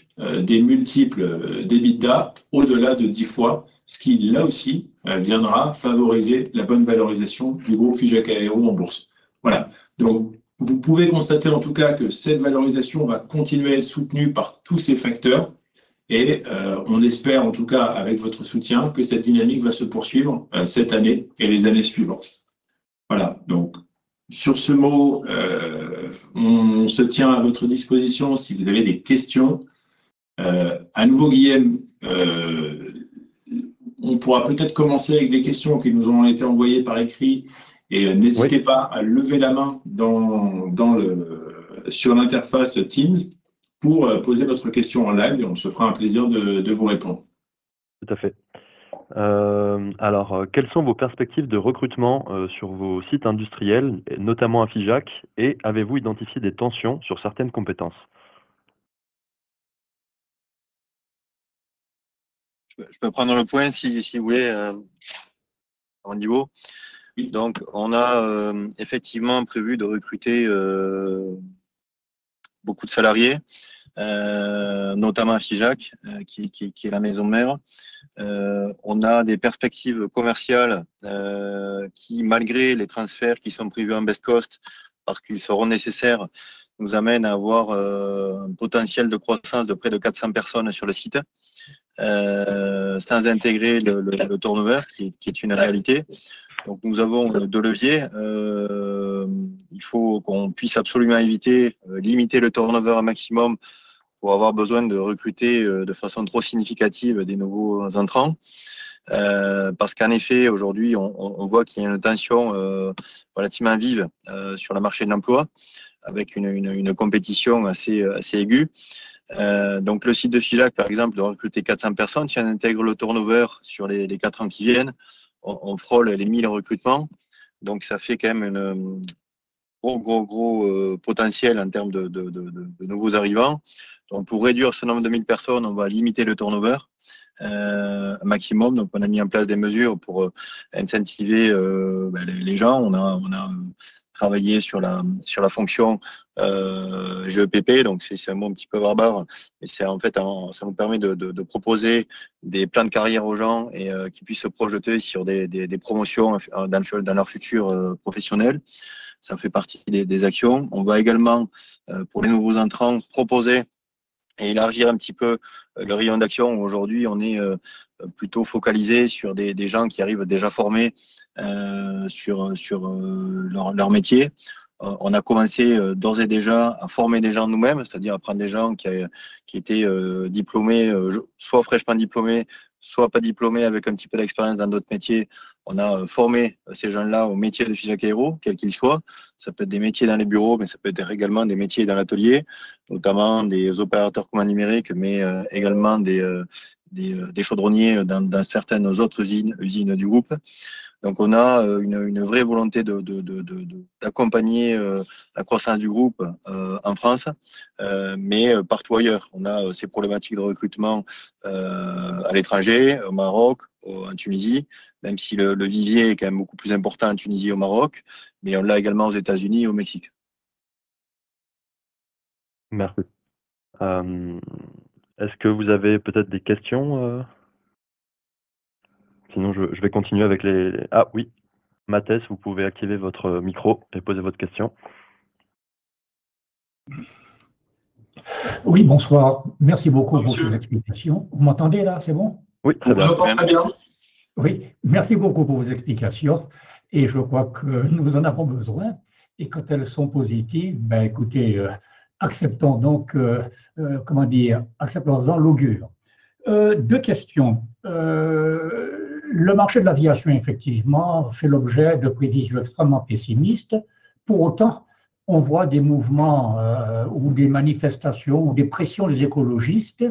des multiples d'EBITDA au-delà de 10 fois, ce qui là aussi viendra favoriser la bonne valorisation du groupe Figeac Aero en bourse. Voilà, donc vous pouvez constater en tout cas que cette valorisation va continuer à être soutenue par tous ces facteurs. On espère en tout cas avec votre soutien que cette dynamique va se poursuivre cette année et les années suivantes. Voilà, donc sur ce mot, on se tient à votre disposition si vous avez des questions. À nouveau, Guilhem, on pourra peut-être commencer avec des questions qui nous ont été envoyées par écrit. N'hésitez pas à lever la main sur l'interface Teams pour poser votre question en live. On se fera un plaisir de vous répondre. Tout à fait. Alors, quelles sont vos perspectives de recrutement sur vos sites industriels, notamment à Figeac? Et avez-vous identifié des tensions sur certaines compétences? Je peux prendre le point si vous voulez à mon niveau. Donc on a effectivement prévu de recruter beaucoup de salariés, notamment à Figeac, qui est la maison mère. On a des perspectives commerciales qui, malgré les transferts qui sont prévus en best cost, parce qu'ils seront nécessaires, nous amènent à avoir un potentiel de croissance de près de 400 personnes sur le site, sans intégrer le turnover qui est une réalité. Donc nous avons deux leviers. Il faut qu'on puisse absolument éviter de limiter le turnover au maximum pour avoir besoin de recruter de façon trop significative des nouveaux entrants. Parce qu'en effet, aujourd'hui, on voit qu'il y a une tension relativement vive sur le marché de l'emploi, avec une compétition assez aiguë. Donc le site de Figeac, par exemple, doit recruter 400 personnes. Si on intègre le turnover sur les quatre ans qui viennent, on frôle les 1 000 recrutements. Donc ça fait quand même un gros potentiel en termes de nouveaux arrivants. Donc pour réduire ce nombre de 1 000 personnes, on va limiter le turnover maximum. Donc on a mis en place des mesures pour incentiver les gens. On a travaillé sur la fonction GEPP, donc c'est un mot un petit peu barbare. Et c'est en fait ça nous permet de proposer des plans de carrière aux gens et qu'ils puissent se projeter sur des promotions dans leur futur professionnel. Ça fait partie des actions. On va également, pour les nouveaux entrants, proposer et élargir un petit peu le rayon d'action. Aujourd'hui, on est plutôt focalisé sur des gens qui arrivent déjà formés sur leur métier. On a commencé d'ores et déjà à former des gens nous-mêmes, c'est-à-dire à prendre des gens qui étaient diplômés, soit fraîchement diplômés, soit pas diplômés avec un petit peu d'expérience dans d'autres métiers. On a formé ces gens-là aux métiers de Figeac Aero, quels qu'ils soient. Ça peut être des métiers dans les bureaux, mais ça peut être également des métiers dans l'atelier, notamment des opérateurs communs numériques, mais également des chaudronniers dans certaines autres usines du groupe. Donc on a une vraie volonté d'accompagner la croissance du groupe en France, mais partout ailleurs. On a ces problématiques de recrutement à l'étranger, au Maroc, en Tunisie, même si le vivier est quand même beaucoup plus important en Tunisie et au Maroc, mais on l'a également aux États-Unis et au Mexique. Merci. Est-ce que vous avez peut-être des questions? Sinon, je vais continuer avec les... oui, Matthès, vous pouvez activer votre micro et poser votre question. Oui, bonsoir. Merci beaucoup pour vos explications. Vous m'entendez là? C'est bon? Oui, très bien. Je vous entends très bien. Oui, merci beaucoup pour vos explications. Et je crois que nous en avons besoin. Et quand elles sont positives, ben écoutez, acceptons donc, comment dire, acceptons-en l'augure. Deux questions. Le marché de l'aviation, effectivement, fait l'objet de prévisions extrêmement pessimistes. Pour autant, on voit des mouvements ou des manifestations ou des pressions des écologistes.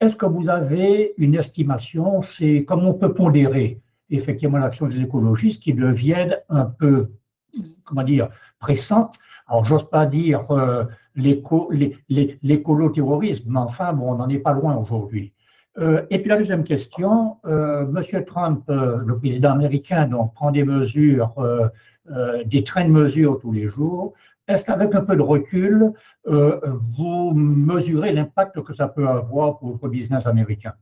Est-ce que vous avez une estimation? C'est comment on peut pondérer, effectivement, l'action des écologistes qui deviennent un peu, comment dire, pressantes? Alors, j'ose pas dire les collo-terroristes, mais enfin, bon, on n'en est pas loin aujourd'hui. Et puis la deuxième question, M. Trump, le président américain, donc prend des mesures, des traits de mesure tous les jours. Est-ce qu'avec un peu de recul, vous mesurez l'impact que ça peut avoir pour votre business américain?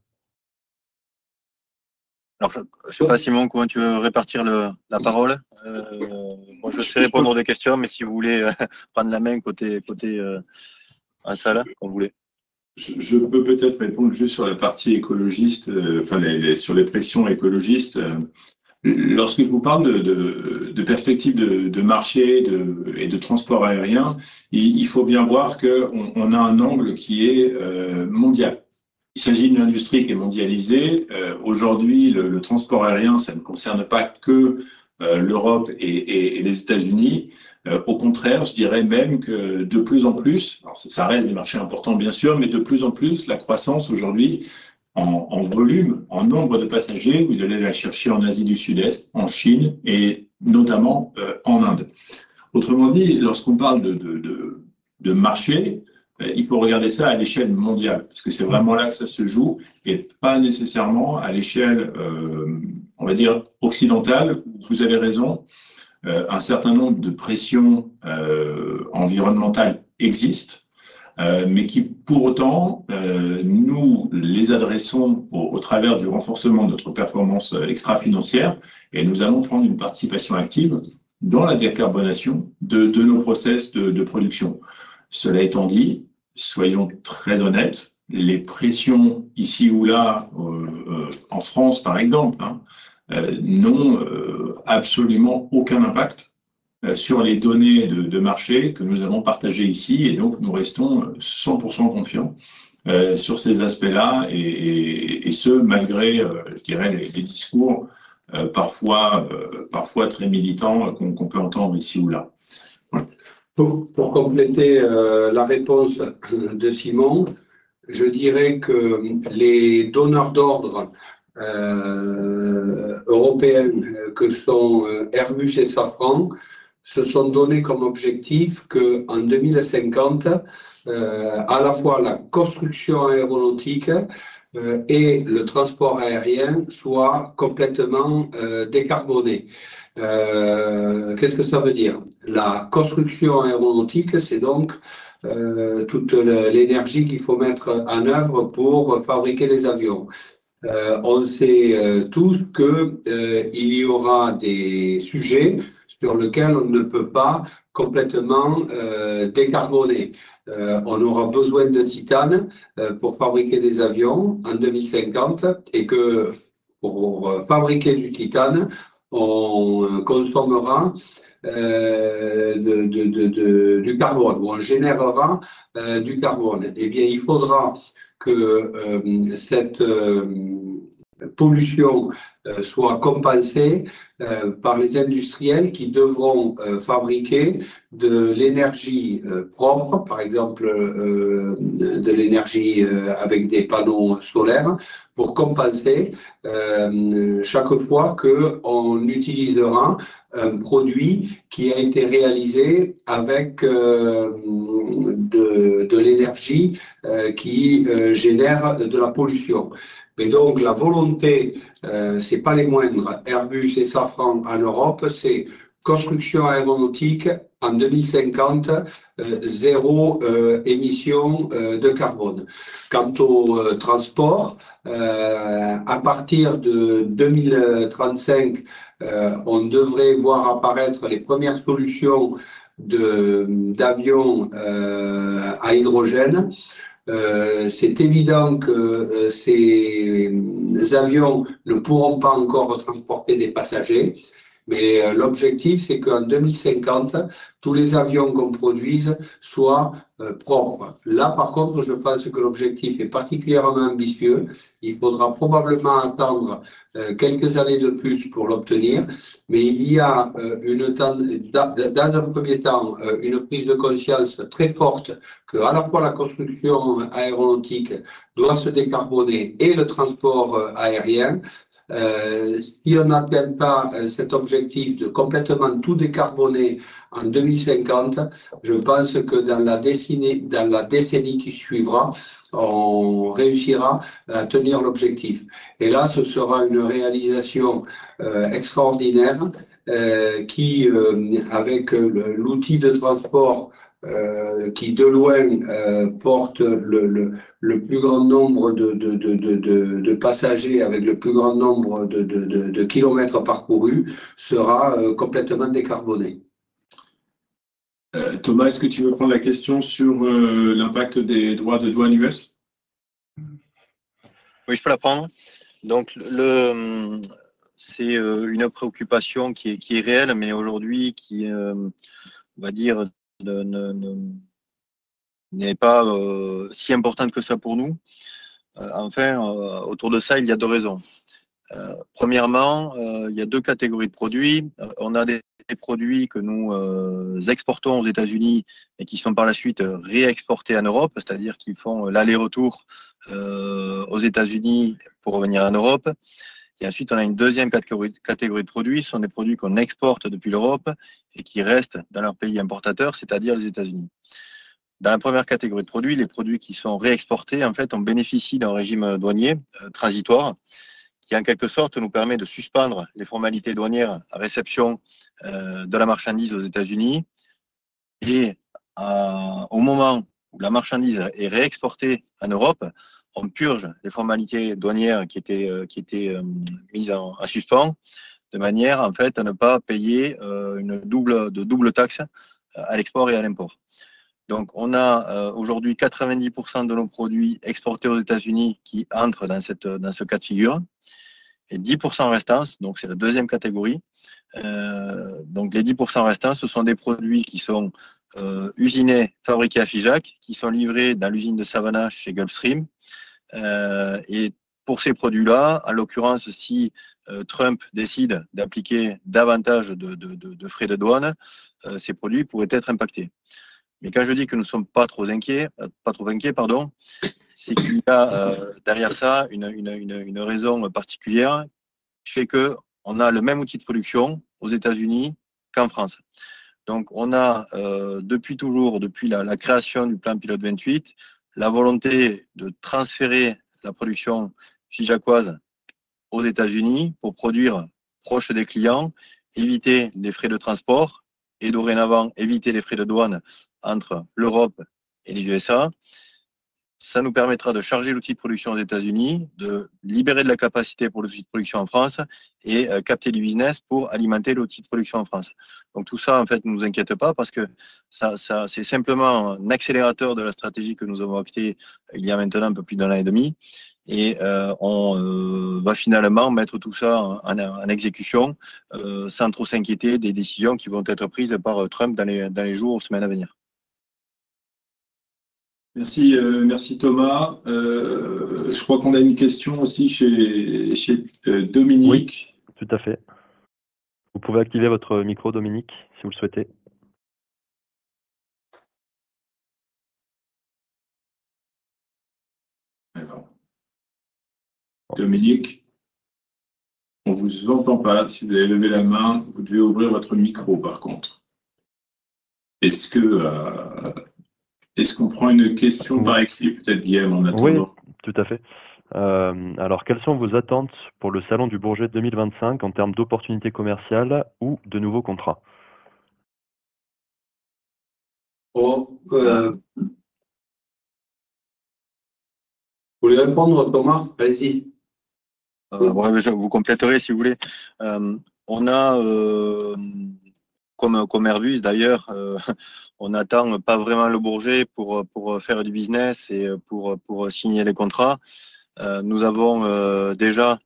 Alors, je ne sais pas si mon coin tu veux répartir la parole. Moi, je sais répondre aux questions, mais si vous voulez prendre la main côté salle, quand vous voulez. Je peux peut-être répondre juste sur la partie écologiste, enfin sur les pressions écologistes. Lorsque je vous parle de perspectives de marché et de transport aérien, il faut bien voir qu'on a un angle qui est mondial. Il s'agit d'une industrie qui est mondialisée. Aujourd'hui, le transport aérien, ça ne concerne pas que l'Europe et les États-Unis. Au contraire, je dirais même que de plus en plus, alors ça reste des marchés importants, bien sûr, mais de plus en plus, la croissance aujourd'hui en volume, en nombre de passagers, vous allez la chercher en Asie du Sud-Est, en Chine et notamment en Inde. Autrement dit, lorsqu'on parle de marché, il faut regarder ça à l'échelle mondiale, parce que c'est vraiment là que ça se joue, et pas nécessairement à l'échelle occidentale, où vous avez raison, un certain nombre de pressions environnementales existent, mais qui pour autant, nous les adressons au travers du renforcement de notre performance extra-financière, et nous allons prendre une participation active dans la décarbonation de nos process de production. Cela étant dit, soyons très honnêtes, les pressions ici ou là, en France par exemple, n'ont absolument aucun impact sur les données de marché que nous avons partagées ici, et donc nous restons 100% confiants sur ces aspects-là, et ce malgré, je dirais, les discours parfois très militants qu'on peut entendre ici ou là. Voilà. Pour compléter la réponse de Simon, je dirais que les donneurs d'ordre européens que sont Airbus et Safran se sont donnés comme objectif qu'en 2050, à la fois la construction aéronautique et le transport aérien soient complètement décarbonés. Qu'est-ce que ça veut dire? La construction aéronautique, c'est donc toute l'énergie qu'il faut mettre en œuvre pour fabriquer les avions. On sait tous qu'il y aura des sujets sur lesquels on ne peut pas complètement décarboner. On aura besoin de titane pour fabriquer des avions en 2050, et pour fabriquer du titane, on consommera du carbone, ou on générera du carbone. Il faudra que cette pollution soit compensée par les industriels qui devront fabriquer de l'énergie propre, par exemple de l'énergie avec des panneaux solaires, pour compenser chaque fois qu'on utilisera un produit qui a été réalisé avec de l'énergie qui génère de la pollution. Mais donc, la volonté, ce n'est pas des moindres, Airbus et Safran en Europe, c'est construction aéronautique en 2050, zéro émission de carbone. Quant au transport, à partir de 2035, on devrait voir apparaître les premières solutions d'avions à hydrogène. C'est évident que ces avions ne pourront pas encore transporter des passagers, mais l'objectif, c'est qu'en 2050, tous les avions qu'on produise soient propres. Là, par contre, je pense que l'objectif est particulièrement ambitieux. Il faudra probablement attendre quelques années de plus pour l'obtenir, mais il y a une tendance, dans un premier temps, une prise de conscience très forte qu'à la fois la construction aéronautique doit se décarboner et le transport aérien. Si on n'atteint pas cet objectif de complètement tout décarboner en 2050, je pense que dans la décennie qui suivra, on réussira à tenir l'objectif. Et là, ce sera une réalisation extraordinaire qui, avec l'outil de transport qui, de loin, porte le plus grand nombre de passagers avec le plus grand nombre de kilomètres parcourus, sera complètement décarboné. Thomas, est-ce que tu veux prendre la question sur l'impact des droits de douane US? Oui, je peux la prendre. Donc, c'est une préoccupation qui est réelle, mais aujourd'hui, qui, on va dire, n'est pas si importante que ça pour nous. Enfin, autour de ça, il y a deux raisons. Premièrement, il y a deux catégories de produits. On a des produits que nous exportons aux États-Unis et qui sont par la suite réexportés en Europe, c'est-à-dire qu'ils font l'aller-retour aux États-Unis pour revenir en Europe. Et ensuite, on a une deuxième catégorie de produits. Ce sont des produits qu'on exporte depuis l'Europe et qui restent dans leur pays importateur, c'est-à-dire les États-Unis. Dans la première catégorie de produits, les produits qui sont réexportés, en fait, on bénéficie d'un régime douanier transitoire qui, en quelque sorte, nous permet de suspendre les formalités douanières à réception de la marchandise aux États-Unis. Au moment où la marchandise est réexportée en Europe, on purge les formalités douanières qui étaient mises en suspens, de manière, en fait, à ne pas payer une double taxe à l'export et à l'import. Donc, on a aujourd'hui 90% de nos produits exportés aux États-Unis qui entrent dans ce cas de figure, et 10% restants, donc c'est la deuxième catégorie. Donc les 10% restants, ce sont des produits qui sont usinés, fabriqués à Figeac, qui sont livrés dans l'usine de Savannah chez Gulfstream. Et pour ces produits-là, en l'occurrence, si Trump décide d'appliquer davantage de frais de douane, ces produits pourraient être impactés. Mais quand je dis que nous ne sommes pas trop inquiets, c'est qu'il y a derrière ça une raison particulière qui fait qu'on a le même outil de production aux États-Unis qu'en France. Donc on a depuis toujours, depuis la création du plan pilote 28, la volonté de transférer la production figeacoise aux États-Unis pour produire proche des clients, éviter les frais de transport et dorénavant éviter les frais de douane entre l'Europe et les USA. Ça nous permettra de charger l'outil de production aux États-Unis, de libérer de la capacité pour l'outil de production en France et capter du business pour alimenter l'outil de production en France. Donc tout ça, en fait, ne nous inquiète pas parce que ça, c'est simplement un accélérateur de la stratégie que nous avons actée il y a maintenant un peu plus d'un an et demi. Et on va finalement mettre tout ça en exécution sans trop s'inquiéter des décisions qui vont être prises par Trump dans les jours ou semaines à venir. Merci, merci Thomas. Je crois qu'on a une question aussi chez Dominique. Oui, tout à fait. Vous pouvez activer votre micro, Dominique, si vous le souhaitez. D'accord. Dominique, on ne vous entend pas. Si vous avez levé la main, vous devez ouvrir votre micro, par contre. Est-ce qu'on prend une question par écrit, peut-être, Guillaume, en attendant? Oui, tout à fait. Alors, quelles sont vos attentes pour le salon du Bourget 2025 en termes d'opportunités commerciales ou de nouveaux contrats? Vous voulez répondre à votre remarque? Allez-y. Oui, je vous compléterai si vous voulez. On a, comme Airbus d'ailleurs, on n'attend pas vraiment le Bourget pour faire du business et pour signer les contrats. Nous avons déjà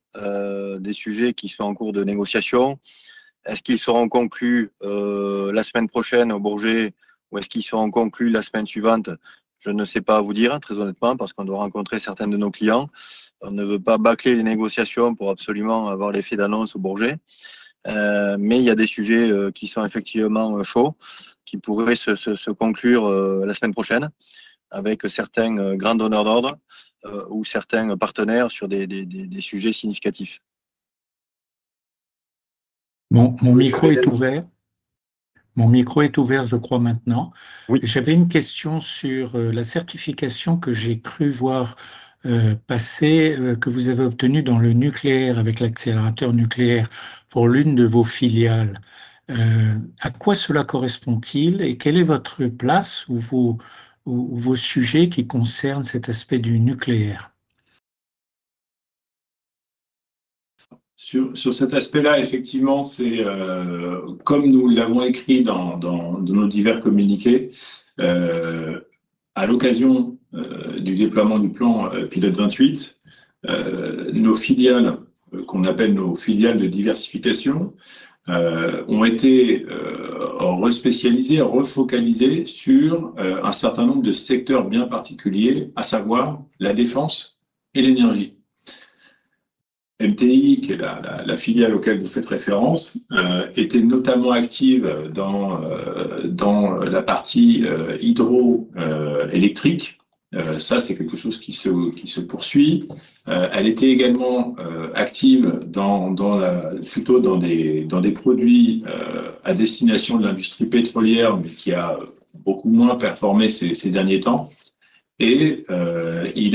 des sujets qui sont en cours de négociation. Est-ce qu'ils seront conclus la semaine prochaine au Bourget ou est-ce qu'ils seront conclus la semaine suivante? Je ne sais pas vous dire, très honnêtement, parce qu'on doit rencontrer certains de nos clients. On ne veut pas bâcler les négociations pour absolument avoir l'effet d'annonce au Bourget. Mais il y a des sujets qui sont effectivement chauds, qui pourraient se conclure la semaine prochaine avec certains grands donneurs d'ordre ou certains partenaires sur des sujets significatifs. Mon micro est ouvert. Mon micro est ouvert, je crois, maintenant. Oui. J'avais une question sur la certification que j'ai cru voir passer, que vous avez obtenue dans le nucléaire avec l'accélérateur nucléaire pour l'une de vos filiales. À quoi cela correspond-il et quelle est votre place ou vos sujets qui concernent cet aspect du nucléaire? Sur cet aspect-là, effectivement, c'est comme nous l'avons écrit dans nos divers communiqués, à l'occasion du déploiement du plan pilote 28, nos filiales, qu'on appelle nos filiales de diversification, ont été re-spécialisées, refocalisées sur un certain nombre de secteurs bien particuliers, à savoir la défense et l'énergie. MTI, qui est la filiale à laquelle vous faites référence, était notamment active dans la partie hydroélectrique. Ça, c'est quelque chose qui se poursuit. Elle était également active dans des produits à destination de l'industrie pétrolière, mais qui a beaucoup moins performé ces derniers temps. Il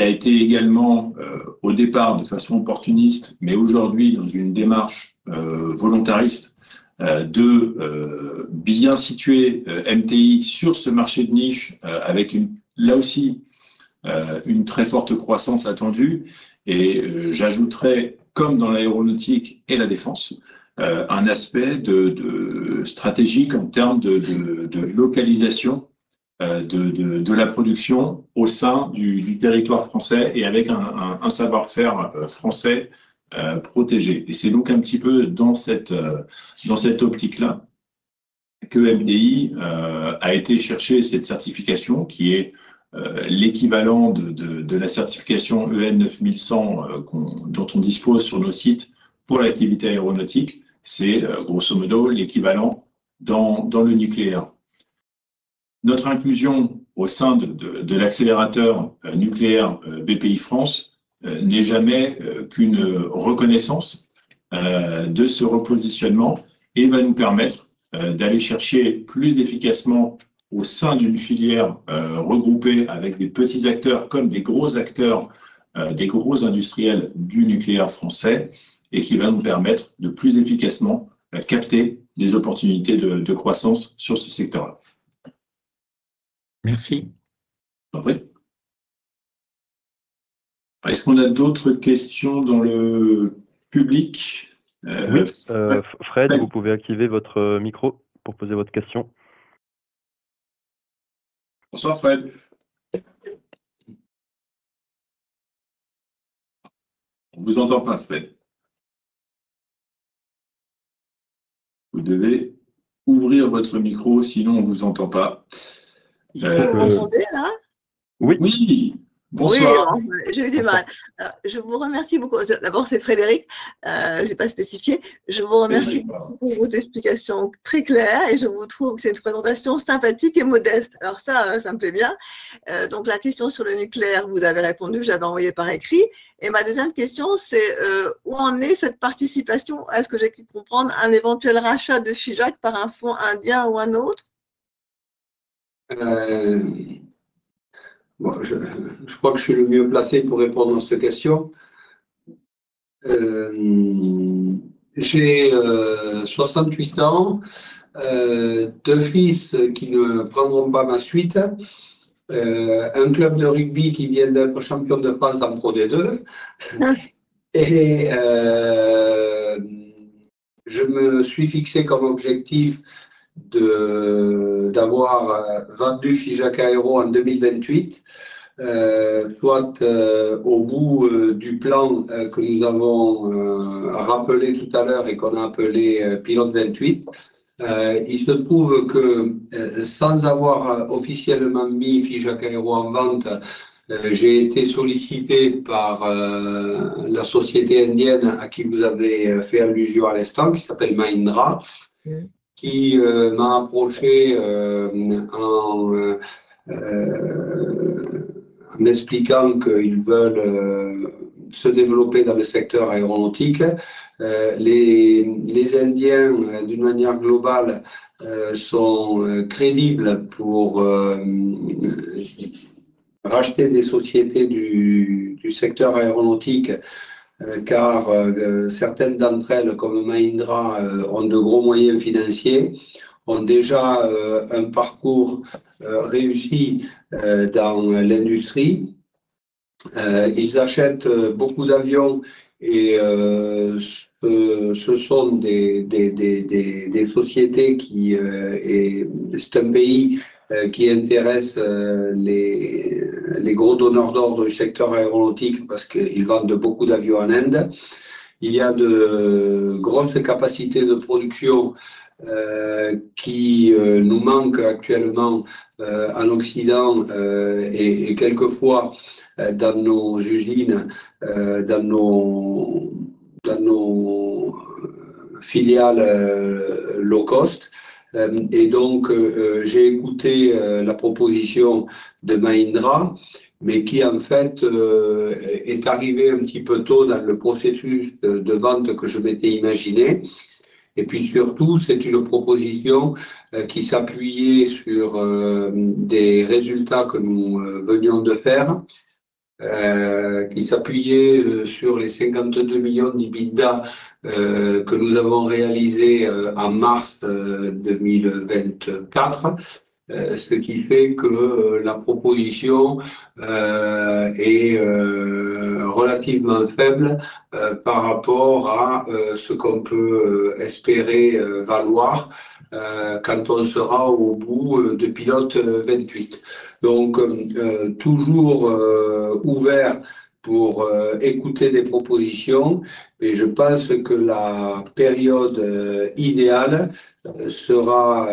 a été également, au départ, de façon opportuniste, mais aujourd'hui dans une démarche volontariste, de bien situer MTI sur ce marché de niche, avec une là aussi très forte croissance attendue. J'ajouterais, comme dans l'aéronautique et la défense, un aspect stratégique en termes de localisation de la production au sein du territoire français et avec un savoir-faire français protégé. C'est donc un petit peu dans cette optique-là que MTI a été chercher cette certification qui est l'équivalent de la certification EN 9100 dont on dispose sur nos sites pour l'activité aéronautique. C'est grosso modo l'équivalent dans le nucléaire. Notre inclusion au sein de l'accélérateur nucléaire BPI France n'est jamais qu'une reconnaissance de ce repositionnement et va nous permettre d'aller chercher plus efficacement au sein d'une filière regroupée avec des petits acteurs comme des gros acteurs, des gros industriels du nucléaire français et qui va nous permettre de plus efficacement capter des opportunités de croissance sur ce secteur-là. Merci. Oui. Est-ce qu'on a d'autres questions dans le public? Fred, vous pouvez activer votre micro pour poser votre question. Bonsoir, Fred. On ne vous entend pas, Fred. Vous devez ouvrir votre micro, sinon on ne vous entend pas. Je vous entendais, là? Oui. Oui. Bonsoir. Oui, j'ai eu du mal. Je vous remercie beaucoup. D'abord, c'est Frédéric, je n'ai pas spécifié. Je vous remercie beaucoup pour vos explications très claires et je trouve que c'est une présentation sympathique et modeste. Alors ça, ça me plaît bien. Donc la question sur le nucléaire, vous avez répondu, je l'avais envoyée par écrit. Et ma deuxième question, c'est où en est cette participation? Est-ce que j'ai cru comprendre un éventuel rachat de Figeac par un fonds indien ou un autre? Je crois que je suis le mieux placé pour répondre à cette question. J'ai 68 ans, deux fils qui ne prendront pas ma suite, un club de rugby qui vient d'être champion de France en Pro D2. Et je me suis fixé comme objectif d'avoir vendu Figeac Aéro en 2028, soit au bout du plan que nous avons rappelé tout à l'heure et qu'on a appelé Pilote 28. Il se trouve que sans avoir officiellement mis Figeac Aéro en vente, j'ai été sollicité par la société indienne à qui vous avez fait allusion à l'instant, qui s'appelle Mahindra, qui m'a approché en expliquant qu'ils veulent se développer dans le secteur aéronautique. Les Indiens, d'une manière globale, sont crédibles pour racheter des sociétés du secteur aéronautique, car certaines d'entre elles, comme Mahindra, ont de gros moyens financiers, ont déjà un parcours réussi dans l'industrie. Ils achètent beaucoup d'avions et ce sont des sociétés qui, et c'est un pays qui intéresse les gros donneurs d'ordre du secteur aéronautique parce qu'ils vendent beaucoup d'avions en Inde. Il y a de grosses capacités de production qui nous manquent actuellement en Occident et quelquefois dans nos usines, dans nos filiales low cost. Et donc j'ai écouté la proposition de Mahindra, mais qui en fait est arrivée un petit peu tôt dans le processus de vente que je m'étais imaginé. Et puis surtout, c'est une proposition qui s'appuyait sur des résultats que nous venions de faire, qui s'appuyaient sur les 52 millions d'EBITDA que nous avons réalisés en mars 2024. Ce qui fait que la proposition est relativement faible par rapport à ce qu'on peut espérer valoir quand on sera au bout de Pilote 28. Donc toujours ouvert pour écouter des propositions, mais je pense que la période idéale sera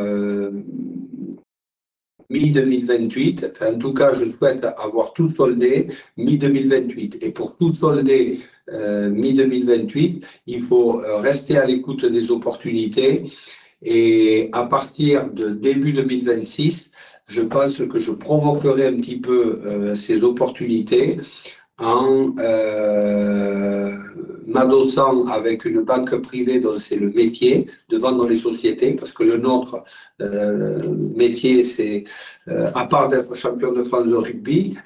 mi-2028. En tout cas, je souhaite avoir tout soldé mi-2028. Et pour tout solder mi-2028, il faut rester à l'écoute des opportunités. Et à partir de début 2026, je pense que je provoquerai un petit peu ces opportunités en m'adossant avec une banque privée, dont c'est le métier de vendre les sociétés, parce que notre métier, c'est à part d'être champion de France de rugby,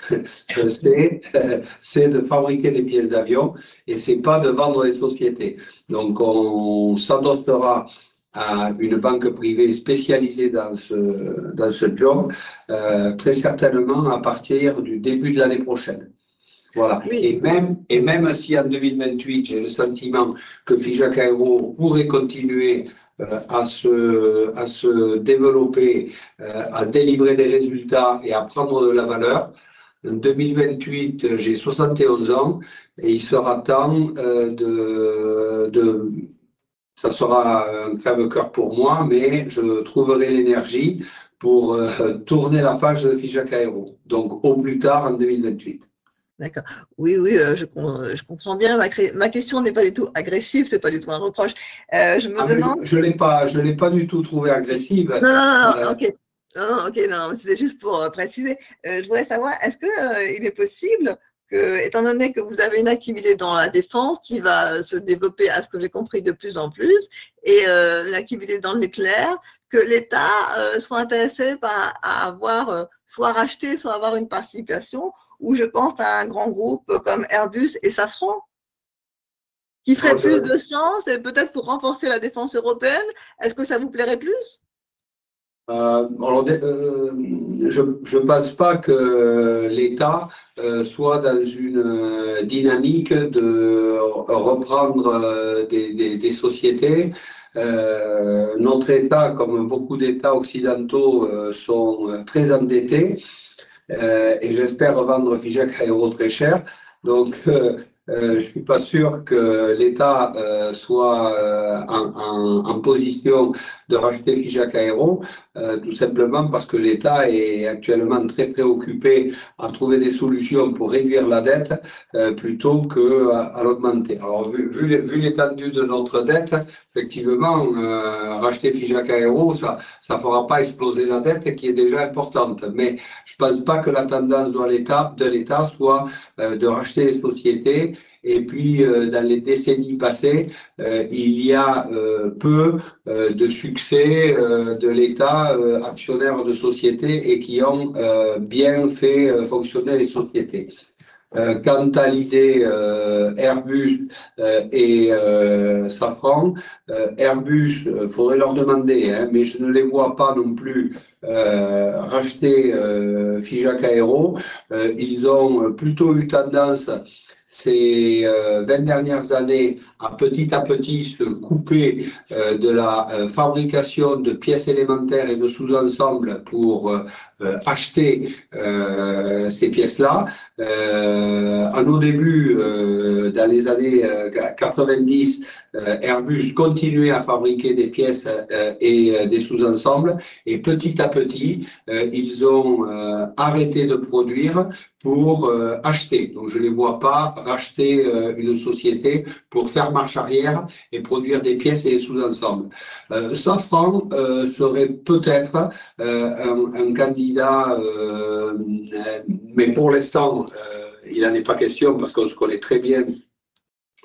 c'est de fabriquer des pièces d'avion et ce n'est pas de vendre les sociétés. Donc on s'adossera à une banque privée spécialisée dans ce job, très certainement à partir du début de l'année prochaine. Voilà. Et même si en 2028, j'ai le sentiment que Figeac Aéro pourrait continuer à se développer, à délivrer des résultats et à prendre de la valeur, en 2028, j'ai 71 ans et il sera temps de... ça sera un crève-cœur pour moi, mais je trouverai l'énergie pour tourner la page de Figeac Aéro, donc au plus tard en 2028. D'accord. Oui, oui, je comprends bien. Ma question n'est pas du tout agressive, ce n'est pas du tout un reproche. Je me demande... Je ne l'ai pas du tout trouvée agressive. Non, non, non. Ok, non, ok, non, mais c'était juste pour préciser. Je voudrais savoir, est-ce qu'il est possible que, étant donné que vous avez une activité dans la défense qui va se développer, à ce que j'ai compris, de plus en plus, et une activité dans le nucléaire, que l'État soit intéressé à avoir soit racheté, soit avoir une participation, ou je pense à un grand groupe comme Airbus et Safran, qui ferait plus de sens et peut-être pour renforcer la défense européenne, est-ce que ça vous plairait plus? Alors, je ne pense pas que l'État soit dans une dynamique de reprendre des sociétés. Notre État, comme beaucoup d'États occidentaux, sont très endettés et j'espère revendre Figeac Aéro très cher. Donc, je ne suis pas sûr que l'État soit en position de racheter Figeac Aéro, tout simplement parce que l'État est actuellement très préoccupé à trouver des solutions pour réduire la dette plutôt qu'à l'augmenter. Alors, vu l'étendue de notre dette, effectivement, racheter Figeac Aéro, ça ne fera pas exploser la dette qui est déjà importante. Mais je ne pense pas que la tendance de l'État soit de racheter les sociétés. Et puis, dans les décennies passées, il y a peu de succès de l'État actionnaire de sociétés et qui ont bien fait fonctionner les sociétés. Quant à l'idée Airbus et Safran, Airbus, il faudrait leur demander, hein, mais je ne les vois pas non plus racheter Figeac Aéro. Ils ont plutôt eu tendance, ces 20 dernières années, à petit à petit se couper de la fabrication de pièces élémentaires et de sous-ensembles pour acheter ces pièces-là. À nos débuts, dans les années 90, Airbus continuait à fabriquer des pièces et des sous-ensembles. Et petit à petit, ils ont arrêté de produire pour acheter. Donc, je ne les vois pas racheter une société pour faire marche arrière et produire des pièces et des sous-ensembles. Safran serait peut-être un candidat, mais pour l'instant, il n'en est pas question parce qu'on se connaît très bien.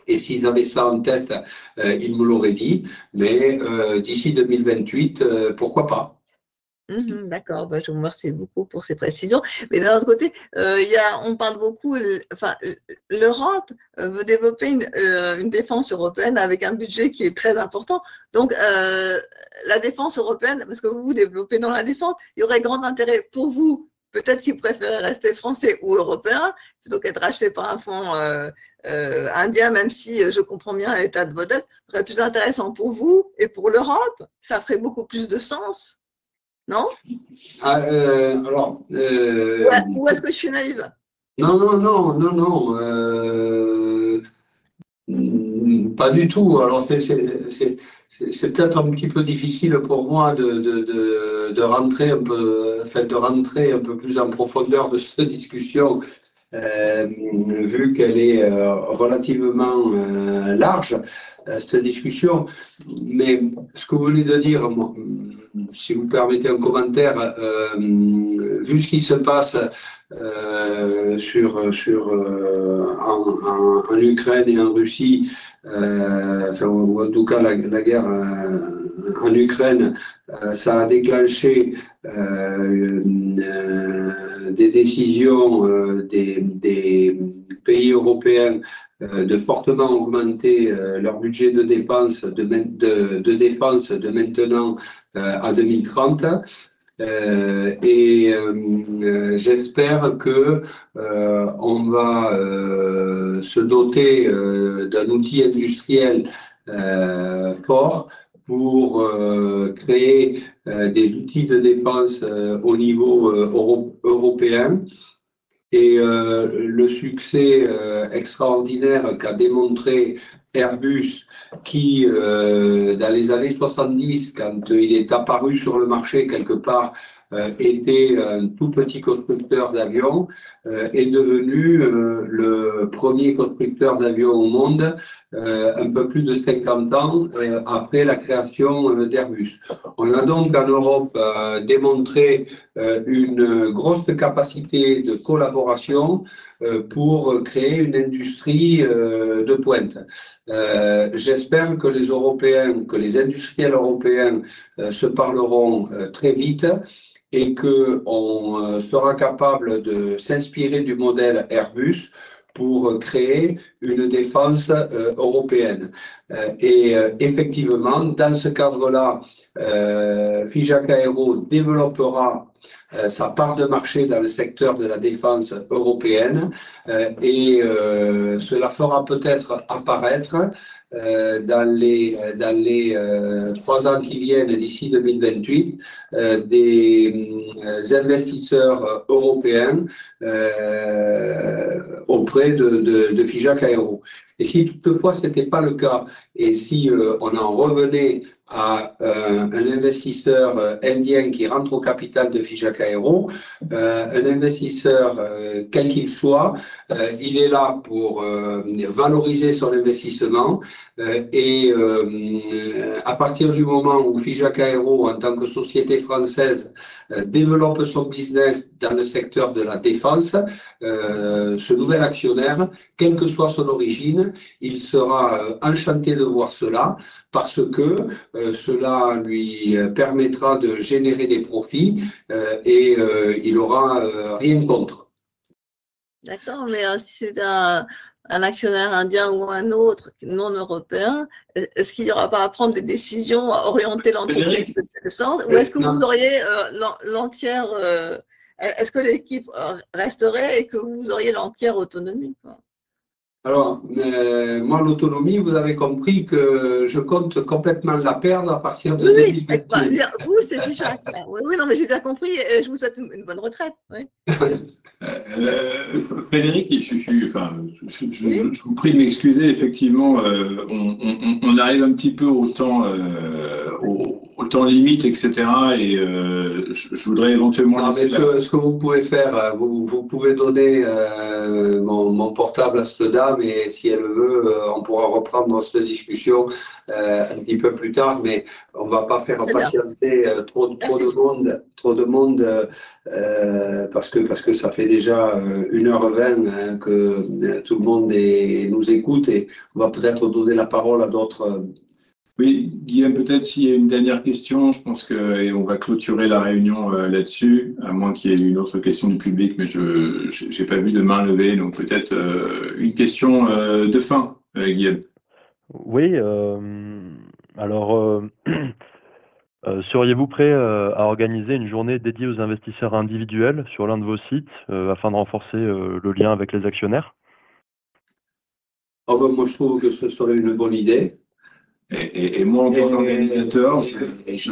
Et s'ils avaient ça en tête, ils me l'auraient dit. Mais d'ici 2028, pourquoi pas? D'accord. Je vous remercie beaucoup pour ces précisions. Mais d'un autre côté, il y a on parle beaucoup. Enfin, l'Europe veut développer une défense européenne avec un budget qui est très important. Donc, la défense européenne, parce que vous vous développez dans la défense, il y aurait grand intérêt pour vous, peut-être qu'ils préféraient rester français ou européens, plutôt qu'être rachetés par un fonds indien, même si je comprends bien l'état de vos dettes, ce serait plus intéressant pour vous et pour l'Europe. Ça ferait beaucoup plus de sens, non? Alors... Ou est-ce que je suis naïve? Non, non, non, non, non. Pas du tout. Alors, c'est peut-être un petit peu difficile pour moi de rentrer un peu, en fait, de rentrer un peu plus en profondeur de cette discussion, vu qu'elle est relativement large, cette discussion. Mais ce que vous venez de dire, moi si vous permettez un commentaire, vu ce qui se passe en Ukraine et en Russie, enfin ou en tout cas la guerre en Ukraine, ça a déclenché des décisions des pays européens de fortement augmenter leur budget de dépenses de défense de maintenant à 2030. Et j'espère qu'on va se doter d'un outil industriel fort pour créer des outils de défense au niveau européen. Le succès extraordinaire qu'a démontré Airbus, qui dans les années 70, quand il est apparu sur le marché quelque part, était un tout petit constructeur d'avions, est devenu le premier constructeur d'avions au monde, un peu plus de 50 ans après la création d'Airbus. On a donc en Europe démontré une grosse capacité de collaboration pour créer une industrie de pointe. J'espère que les Européens, que les industriels européens se parleront très vite et qu'on sera capable de s'inspirer du modèle Airbus pour créer une défense européenne. Dans ce cadre-là, Figeac Aéro développera sa part de marché dans le secteur de la défense européenne. Et cela fera peut-être apparaître dans les trois ans qui viennent, d'ici 2028, des investisseurs européens auprès de Figeac Aéro. Et si toutefois ce n'était pas le cas, et si on en revenait à un investisseur indien qui rentre au capital de Figeac Aéro, un investisseur, quel qu'il soit, il est là pour valoriser son investissement. Et à partir du moment où Figeac Aéro, en tant que société française, développe son business dans le secteur de la défense, ce nouvel actionnaire, quelle que soit son origine, il sera enchanté de voir cela, parce que cela lui permettra de générer des profits et il n'aura rien contre. D'accord, mais si c'est un actionnaire indien ou un autre non européen, est-ce qu'il n'y aura pas à prendre des décisions à orienter l'entreprise de telle sorte? Ou est-ce que vous auriez l'entière... Est-ce que l'équipe resterait et que vous auriez l'entière autonomie? Alors, moi, l'autonomie, vous avez compris que je compte complètement la perdre à partir de 2025. Vous, c'est déjà... Oui, oui, non, mais j'ai bien compris. Je vous souhaite une bonne retraite. Oui. Frédéric, je suis... Enfin, je vous prie de m'excuser, effectivement, on arrive un petit peu au temps, au temps limite, etc. Et je voudrais éventuellement lancer... Ce que vous pouvez faire, vous pouvez donner mon portable à cette dame, et si elle veut, on pourra reprendre cette discussion un petit peu plus tard, mais on ne va pas faire patienter trop de monde, parce que ça fait déjà 1h20 que tout le monde nous écoute et on va peut-être donner la parole à d'autres. Oui, Guillaume, peut-être s'il y a une dernière question, je pense qu'on va clôturer la réunion là-dessus, à moins qu'il y ait une autre question du public, mais je n'ai pas vu de main levée, donc peut-être une question de fin, Guillaume. Oui, alors seriez-vous prêt à organiser une journée dédiée aux investisseurs individuels sur l'un de vos sites afin de renforcer le lien avec les actionnaires? Moi, je trouve que ce serait une bonne idée. Et moi, en tant qu'organisateur, je...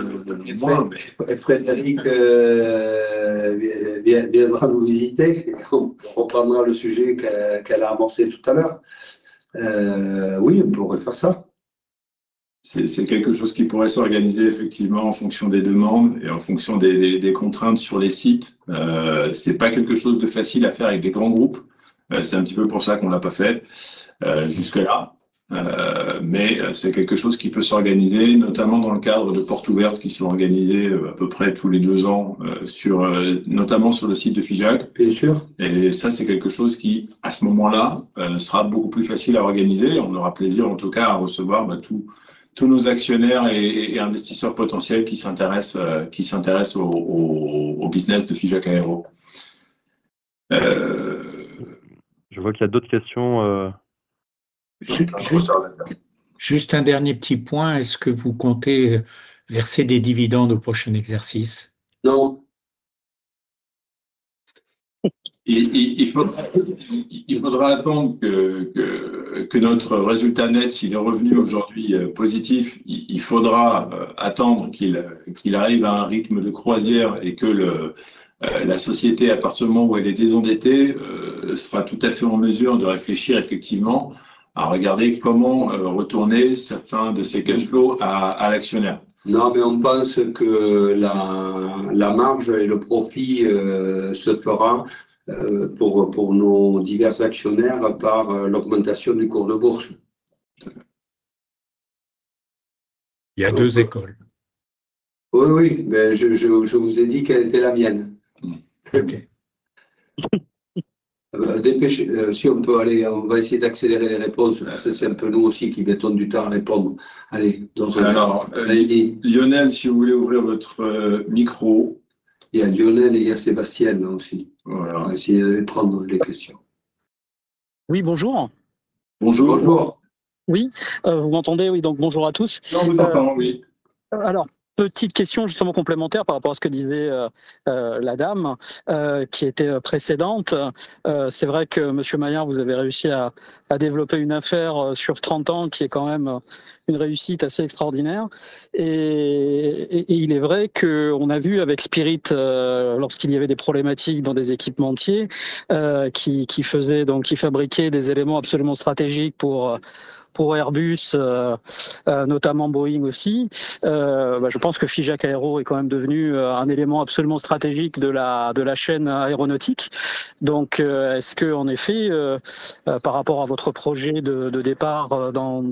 Moi, Frédéric viendra vous visiter, on reprendra le sujet qu'elle a amorcé tout à l'heure. Oui, on pourrait faire ça. C'est quelque chose qui pourrait s'organiser effectivement en fonction des demandes et en fonction des contraintes sur les sites. Ce n'est pas quelque chose de facile à faire avec des grands groupes. C'est un petit peu pour ça qu'on ne l'a pas fait jusque-là. Mais c'est quelque chose qui peut s'organiser, notamment dans le cadre de portes ouvertes qui sont organisées à peu près tous les deux ans, notamment sur le site de Figeac. Bien sûr. Et ça, c'est quelque chose qui, à ce moment-là, sera beaucoup plus facile à organiser. On aura plaisir, en tout cas, à recevoir tous nos actionnaires et investisseurs potentiels qui s'intéressent aux business de Figeac Aéro. Je vois qu'il y a d'autres questions. Juste un dernier petit point. Est-ce que vous comptez verser des dividendes au prochain exercice? Non. Il faudra attendre que notre résultat net, s'il est revenu aujourd'hui positif, il faudra attendre qu'il arrive à un rythme de croisière et que la société, à partir du moment où elle est désendettée, sera tout à fait en mesure de réfléchir effectivement à regarder comment retourner certains de ces cash flows à l'actionnaire. Non, mais on pense que la marge et le profit se fera pour nos divers actionnaires par l'augmentation du cours de bourse. Il y a deux écoles. Oui, oui, mais je vous ai dit quelle était la mienne. Ok. Dépêchez-vous, si on peut aller, on va essayer d'accélérer les réponses, parce que c'est un peu nous aussi qui mettons du temps à répondre. Allez, dans un... Alors, Lionel, si vous voulez ouvrir votre micro. Il y a Lionel et il y a Sébastien aussi. Voilà, essayez de prendre les questions. Oui, bonjour. Bonjour. Bonjour. Oui, vous m'entendez? Oui, donc bonjour à tous. Je vous entends, oui. Alors, petite question justement complémentaire par rapport à ce que disait la dame qui était précédente. C'est vrai que Monsieur Maillard, vous avez réussi à développer une affaire sur 30 ans qui est quand même une réussite assez extraordinaire. Et il est vrai qu'on a vu avec Spirit lorsqu'il y avait des problématiques dans des équipementiers qui fabriquaient des éléments absolument stratégiques pour Airbus, notamment Boeing aussi. Je pense que Figeac Aéro est quand même devenu un élément absolument stratégique de la chaîne aéronautique. Donc est-ce qu'en effet, par rapport à votre projet de départ dans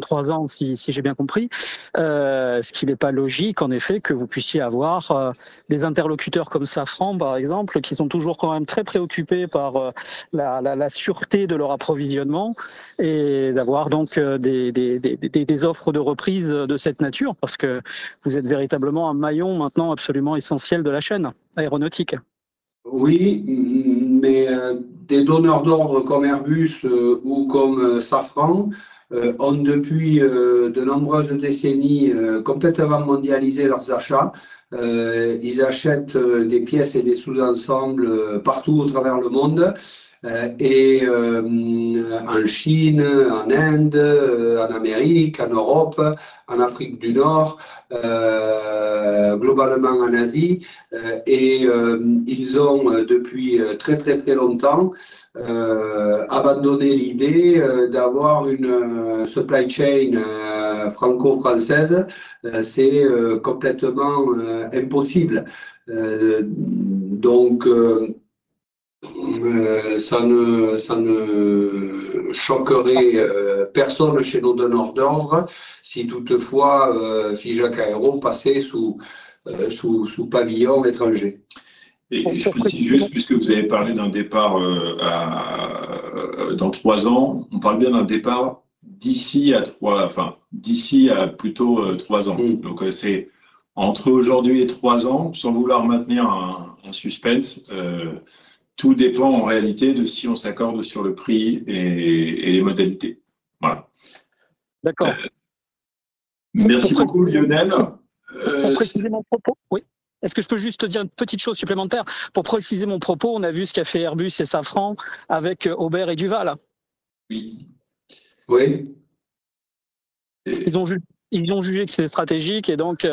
trois ans, si j'ai bien compris, est-ce qu'il n'est pas logique en effet que vous puissiez avoir des interlocuteurs comme Safran, par exemple, qui sont toujours quand même très préoccupés par la sûreté de leur approvisionnement et d'avoir donc des offres de reprise de cette nature? Parce que vous êtes véritablement un maillon maintenant absolument essentiel de la chaîne aéronautique. Oui, mais des donneurs d'ordre comme Airbus ou comme Safran ont depuis de nombreuses décennies complètement mondialisé leurs achats. Ils achètent des pièces et des sous-ensembles partout à travers le monde et en Chine, en Inde, en Amérique, en Europe, en Afrique du Nord, globalement en Asie. Ils ont depuis très longtemps abandonné l'idée d'avoir une supply chain franco-française. C'est complètement impossible. Donc ça ne choquerait personne chez nos donneurs d'ordre si toutefois Figeac Aéro passait sous pavillon étranger. Je précise juste, puisque vous avez parlé d'un départ dans trois ans, on parle bien d'un départ d'ici à trois ans. Donc c'est entre aujourd'hui et trois ans, sans vouloir maintenir un suspense, tout dépend en réalité de si on s'accorde sur le prix et les modalités. Voilà. D'accord. Merci beaucoup, Lionel. Pour préciser mon propos, oui. Est-ce que je peux juste te dire une petite chose supplémentaire? Pour préciser mon propos, on a vu ce qu'a fait Airbus et Safran avec Aubert et Duval. Oui. Oui. Ils ont jugé que c'était stratégique et donc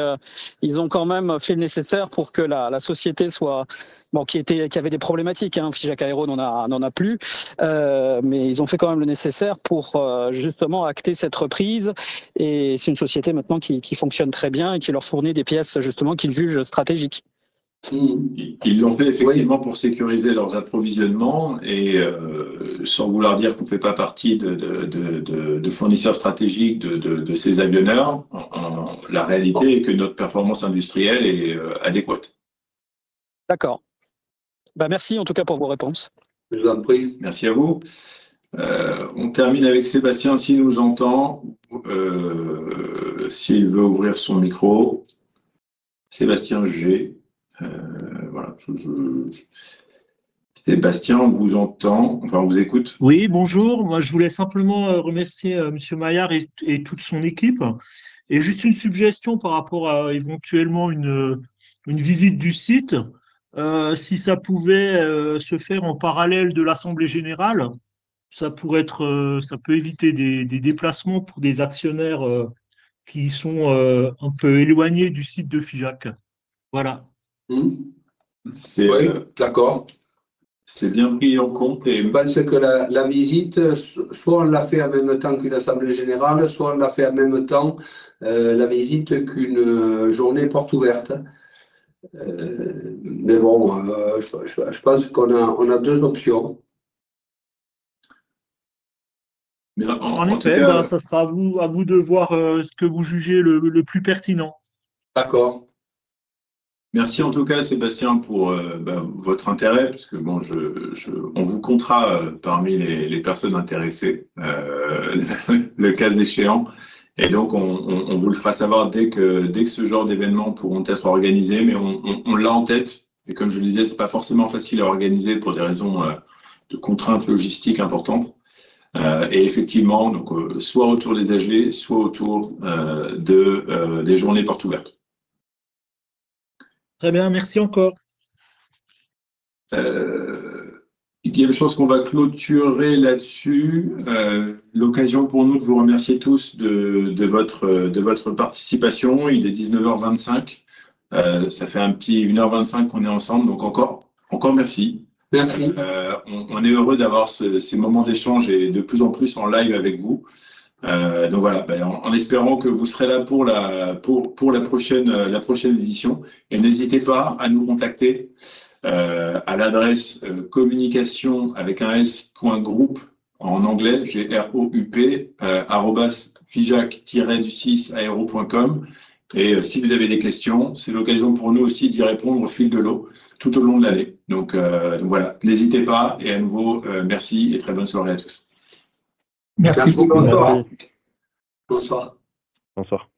ils ont quand même fait le nécessaire pour que la société soit... bon qui était qui avait des problématiques, Figeac Aéro n'en a plus. Mais ils ont fait quand même le nécessaire pour justement acter cette reprise et c'est une société maintenant qui fonctionne très bien et qui leur fournit des pièces justement qu'ils jugent stratégiques. Ils l'ont fait effectivement pour sécuriser leurs approvisionnements et sans vouloir dire qu'on ne fait pas partie de fournisseurs stratégiques de ces avionneurs, la réalité est que notre performance industrielle est adéquate. D'accord. Merci en tout cas pour vos réponses. Je vous en prie. Merci à vous. On termine avec Sébastien s'il nous entend, s'il veut ouvrir son micro. Sébastien, j'ai. Sébastien vous entend, enfin on vous écoute. Oui, bonjour. Moi, je voulais simplement remercier Monsieur Maillard et toute son équipe. Et juste une suggestion par rapport à éventuellement une visite du site. Si ça pouvait se faire en parallèle de l'assemblée générale, ça pourrait être, ça peut éviter des déplacements pour des actionnaires qui sont un peu éloignés du site de Figeac. Voilà. C'est d'accord. C'est bien pris en compte. Et moi je crois que la visite, soit on la fait en même temps qu'une assemblée générale, soit on la fait en même temps, la visite qu'une journée porte ouverte. Mais bon, je pense qu'on a deux options. Mais en effet, ça sera à vous de voir ce que vous jugez le plus pertinent. D'accord. Merci en tout cas, Sébastien, pour votre intérêt, parce que bon, on vous comptera parmi les personnes intéressées, le cas échéant. Et donc, on vous le fera savoir dès que ce genre d'événements pourront être organisés. Mais on l'a en tête. Et comme je le disais, ce n'est pas forcément facile à organiser pour des raisons de contraintes logistiques importantes. Et effectivement, donc soit autour des AG, soit autour des journées portes ouvertes. Très bien, merci encore. Il y a une chose qu'on va clôturer là-dessus. L'occasion pour nous de vous remercier tous de votre participation. Il est 19h25. Ça fait un petit 1h25 qu'on est ensemble. Donc encore merci. Merci. On est heureux d'avoir ces moments d'échange et de plus en plus en live avec vous. Donc voilà, en espérant que vous serez là pour la prochaine édition. Et n'hésitez pas à nous contacter à l'adresse communications groupe arobase Figeac-aero.com. Et si vous avez des questions, c'est l'occasion pour nous aussi d'y répondre au fil de l'eau, tout au long de l'année. Donc voilà, n'hésitez pas. Et à nouveau, merci et très bonne soirée à tous. Merci beaucoup. Bonsoir. Bonsoir. Bonsoir.